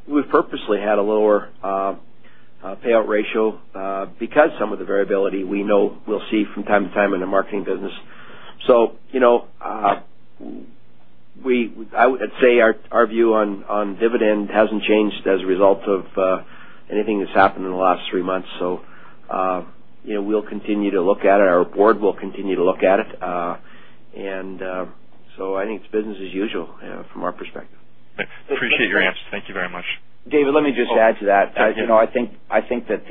We've purposely had a lower payout ratio because some of the variability we know we'll see from time to time in the marketing business. I would say our view on dividend hasn't changed as a result of anything that's happened in the last three months. We'll continue to look at it. Our board will continue to look at it. I think it's business as usual from our perspective. Thanks. I appreciate your answer. Thank you very much. David, let me just add to that. I think that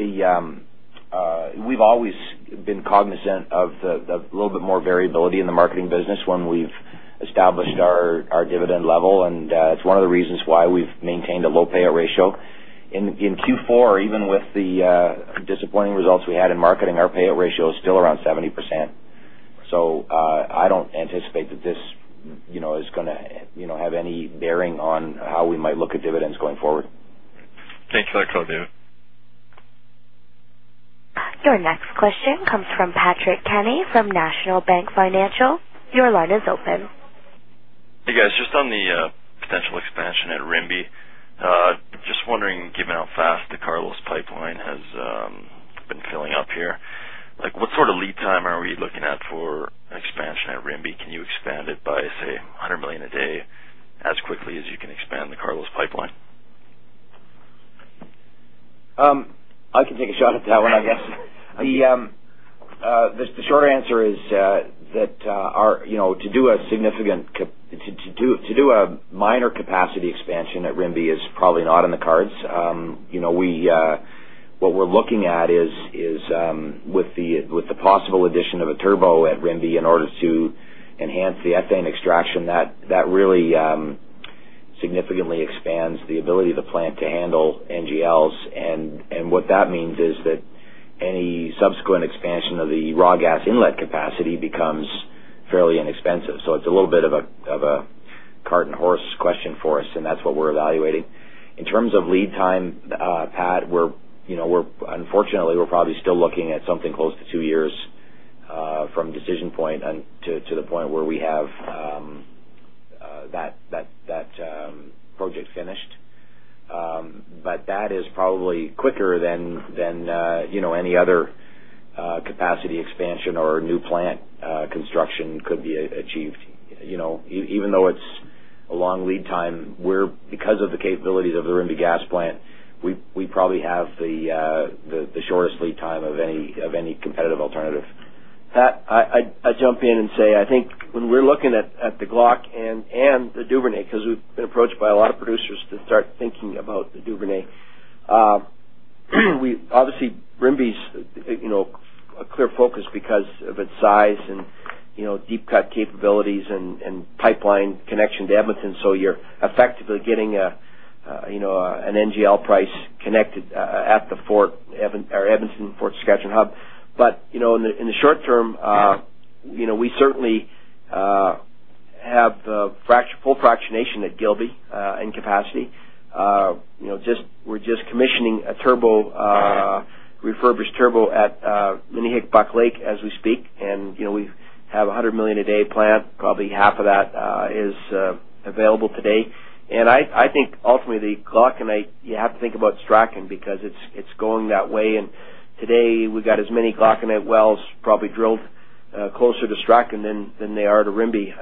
we've always been cognizant of the little bit more variability in the marketing business when we've established our dividend level, and it's one of the reasons why we've maintained a low payout ratio. In Q4, even with the disappointing results we had in marketing, our payout ratio is still around 70%. I don't anticipate that this is going to have any bearing on how we might look at dividends going forward. Thanks for that color, David. Your next question comes from Patrick Kenny from National Bank Financial. Your line is open. Hey, guys. Just on the potential expansion at Rimbey, just wondering, given how fast the Carlos pipeline has been filling up here, what sort of lead time are we looking at for expansion at Rimbey? Can you expand it by, say, 100 million a day as quickly as you can expand the Carlos pipeline? I can take a shot at that one, I guess. The short answer is that- to do a minor capacity expansion at Rimbey is probably not in the cards. What we're looking at is with the possible addition of a turbo at Rimbey in order to enhance the ethane extraction, that really significantly expands the ability of the plant to handle NGLs. What that means is that any subsequent expansion of the raw gas inlet capacity becomes fairly inexpensive. It's a little bit of a cart and horse question for us, and that's what we're evaluating. In terms of lead time, Pat, unfortunately, we're probably still looking at something close to two years from decision point to the point where we have that project finished. That is probably quicker than any other capacity expansion or new plant construction could be achieved. Even though it's a long lead time, because of the capabilities of the Rimbey gas plant, we probably have the shortest lead time of any competitive alternative. Pat, I'd jump in and say, I think when we're looking at the Glauc and the Duvernay, because we've been approached by a lot of producers to start thinking about the Duvernay. Obviously, Rimbey's a clear focus because of its size and deep cut capabilities and pipeline connection to Edmonton. You're effectively getting an NGL price connected at the Edmonton-Fort Saskatchewan hub. In the short term, we certainly have full fractionation capacity at Gilby. We're just commissioning a refurbished turbo at Minnehik-Buck Lake as we speak, and we have a 100 million a day plant. Probably half of that is available today. I think ultimately, the Glauconite, you have to think about Strachan because it's going that way. Today, we've got as many Glauconite wells probably drilled closer to Strachan than they are to Rimbey.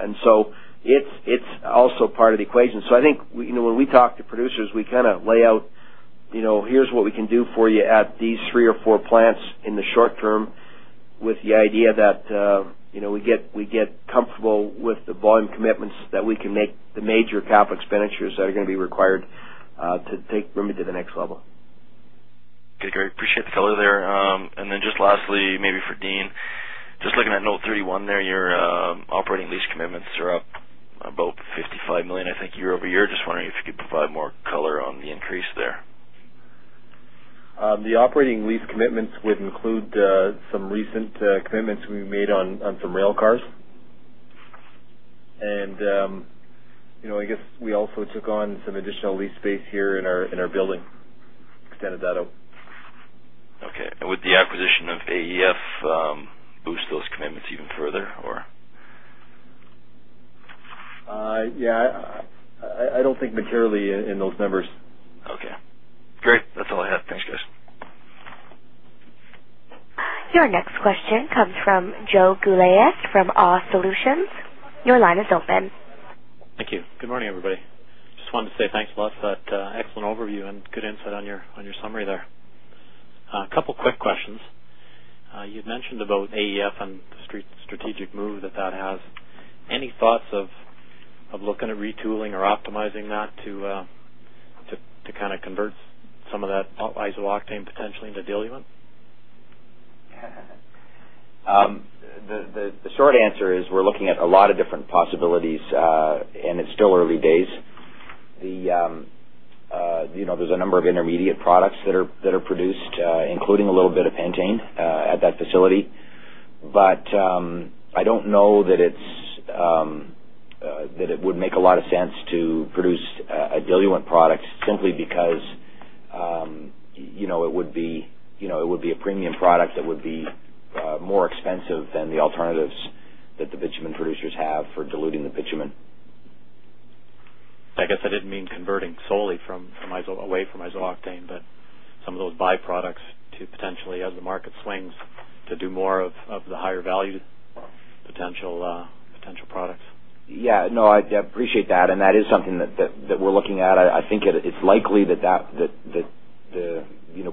It's also part of the equation. I think when we talk to producers, we lay out, here's what we can do for you at these three or four plants in the short term with the idea that we get comfortable with the volume commitments that we can make the major capital expenditures that are going to be required to take Rimbey to the next level. Okay, great. Appreciate the color there. Just lastly, maybe for Dean, just looking at Note 31 there, your operating lease commitments are up about 55 million, I think, year-over-year. Just wondering if you could provide more color on the increase there. The operating lease commitments would include some recent commitments we made on some rail cars. I guess we also took on some additional lease space here in our building, extended that out. Okay. Would the acquisition of AEF boost those commitments even further? Yeah. I don't think materially in those numbers. Okay, great. That's all I have. Thanks, guys. Your next question comes from Joe Gulayets from AWE Solutions. Your line is open. Thank you. Good morning, everybody. Just wanted to say thanks a lot for that excellent overview and good insight on your summary there. A couple of quick questions. You'd mentioned about AEF and the strategic move that that has. Any thoughts of looking at retooling or optimizing that to convert some of that iso-octane potentially into diluent? The short answer is we're looking at a lot of different possibilities, and it's still early days. There's a number of intermediate products that are produced, including a little bit of pentane at that facility. I don't know that it would make a lot of sense to produce a diluent product simply because it would be a premium product that would be more expensive than the alternatives that the bitumen producers have for diluting the bitumen. I guess I didn't mean converting solely away from iso-octane, but some of those byproducts to potentially as the market swings to do more of the higher value potential products. Yeah. No, I appreciate that, and that is something that we're looking at. I think it's likely that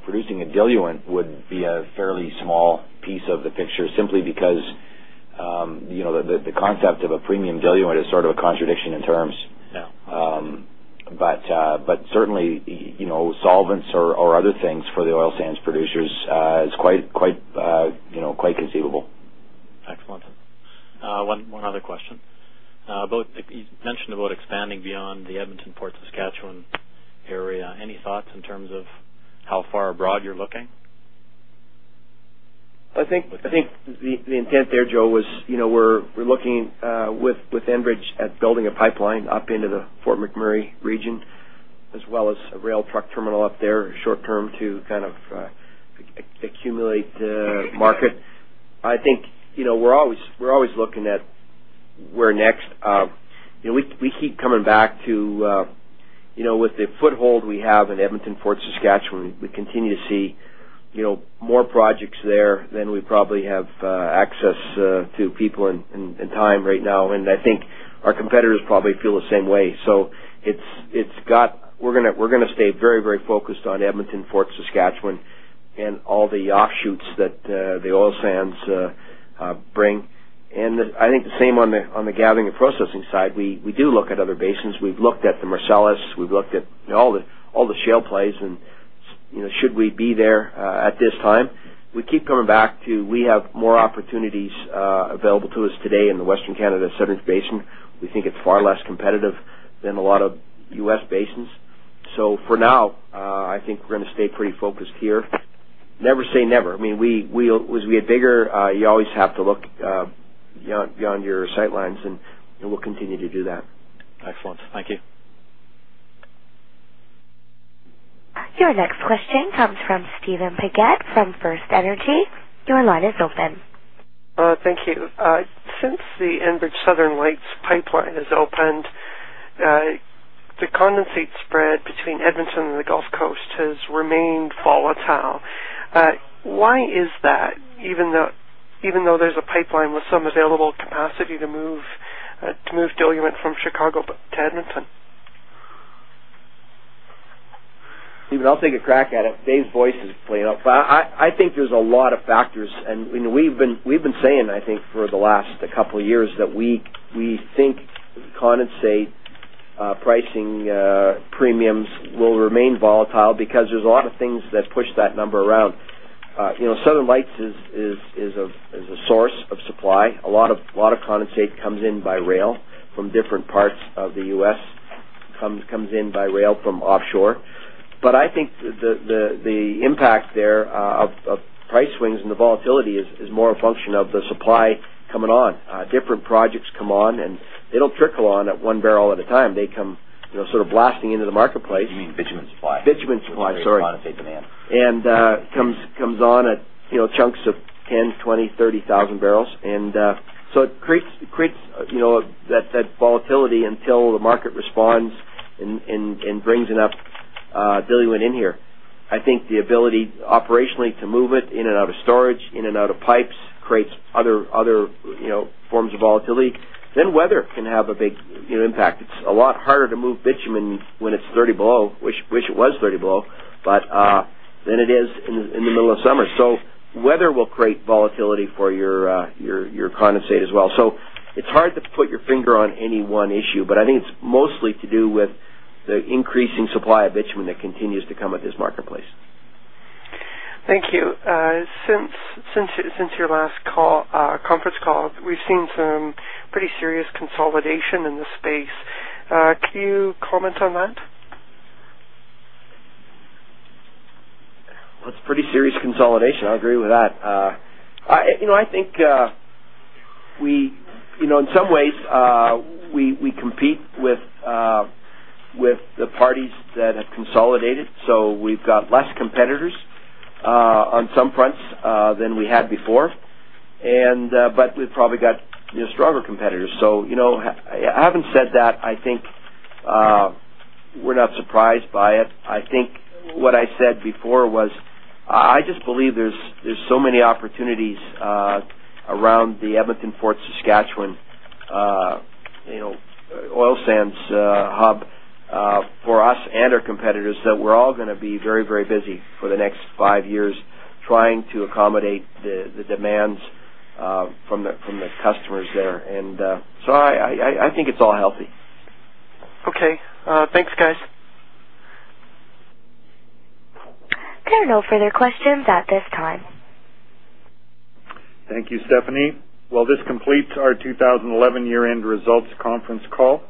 producing a diluent would be a fairly small piece of the picture, simply because the concept of a premium diluent is sort of a contradiction in terms. Yeah. Certainly, solvents or other things for the oil sands producers is quite conceivable. Excellent. One other question. You mentioned about expanding beyond the Edmonton-Fort Saskatchewan area. Any thoughts in terms of how far abroad you're looking? I think the intent there, Joe, was we're looking with Enbridge at building a pipeline up into the Fort McMurray region, as well as a rail truck terminal up there short term to accumulate the market. I think we're always looking at where next. We keep coming back to with the foothold we have in Edmonton-Fort Saskatchewan, we continue to see more projects there than we probably have access to people and time right now. I think our competitors probably feel the same way. We're going to stay very focused on Edmonton-Fort Saskatchewan and all the offshoots that the oil sands bring. I think the same on the gathering and processing side. We do look at other basins. We've looked at the Marcellus. We've looked at all the shale plays, and should we be there at this time? We keep coming back to we have more opportunities available to us today in the Western Canada Sedimentary Basin. We think it's far less competitive than a lot of U.S. basins. For now, I think we're going to stay pretty focused here. Never say never. As we get bigger, you always have to look beyond your sight lines, and we'll continue to do that. Excellent. Thank you. Your next question comes from Steven Paget from FirstEnergy. Your line is open. Thank you. Since the Enbridge Southern Lights pipeline has opened, the condensate spread between Edmonton and the Gulf Coast has remained volatile. Why is that even though there's a pipeline with some available capacity to move diluent from Chicago to Edmonton? Steven, I'll take a crack at it. Dave's voice is playing up. I think there's a lot of factors, and we've been saying, I think, for the last couple of years that we think condensate pricing premiums will remain volatile because there's a lot of things that push that number around. Southern Lights is a source of supply. A lot of condensate comes in by rail from different parts of the U.S.- comes in by rail from offshore. But I think the impact there of price swings and the volatility is more a function of the supply coming on. Different projects come on, and it'll trickle on at one barrel at a time. They come sort of blasting into the marketplace. You mean bitumen supply? Bitumen supply, sorry. Not condensate demand. It comes on at chunks of 10,000, 20,000, 30,000 barrels. It creates that volatility until the market responds and brings enough diluent in here. I think the ability operationally to move it in and out of storage, in and out of pipes, creates other forms of volatility. Weather can have a big impact. It's a lot harder to move bitumen when it's 30 below, wish it was 30 below, than it is in the middle of summer. Weather will create volatility for your condensate as well. It's hard to put your finger on any one issue, but I think it's mostly to do with the increasing supply of bitumen that continues to come at this marketplace. Thank you. Since your last conference call, we've seen some pretty serious consolidation in this space. Can you comment on that? Well, it's pretty serious consolidation. I agree with that. I think in some ways, we compete with the parties that have consolidated. We've got less competitors on some fronts than we had before. We've probably got stronger competitors. Having said that, I think we're not surprised by it. I think what I said before was, I just believe there's so many opportunities around the Edmonton-Fort Saskatchewan oil sands hub for us and our competitors that we're all going to be very busy for the next five years trying to accommodate the demands from the customers there. I think it's all healthy. Okay. Thanks, guys. There are no further questions at this time. Thank you, Stephanie. Well, this completes our 2011 Year-End Results Conference Call.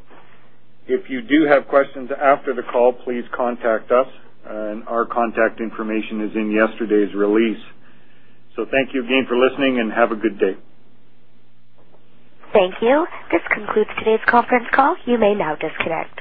If you do have questions after the call, please contact us. Our contact information is in yesterday's release. Thank you again for listening, and have a good day. Thank you. This concludes today's conference call. You may now disconnect.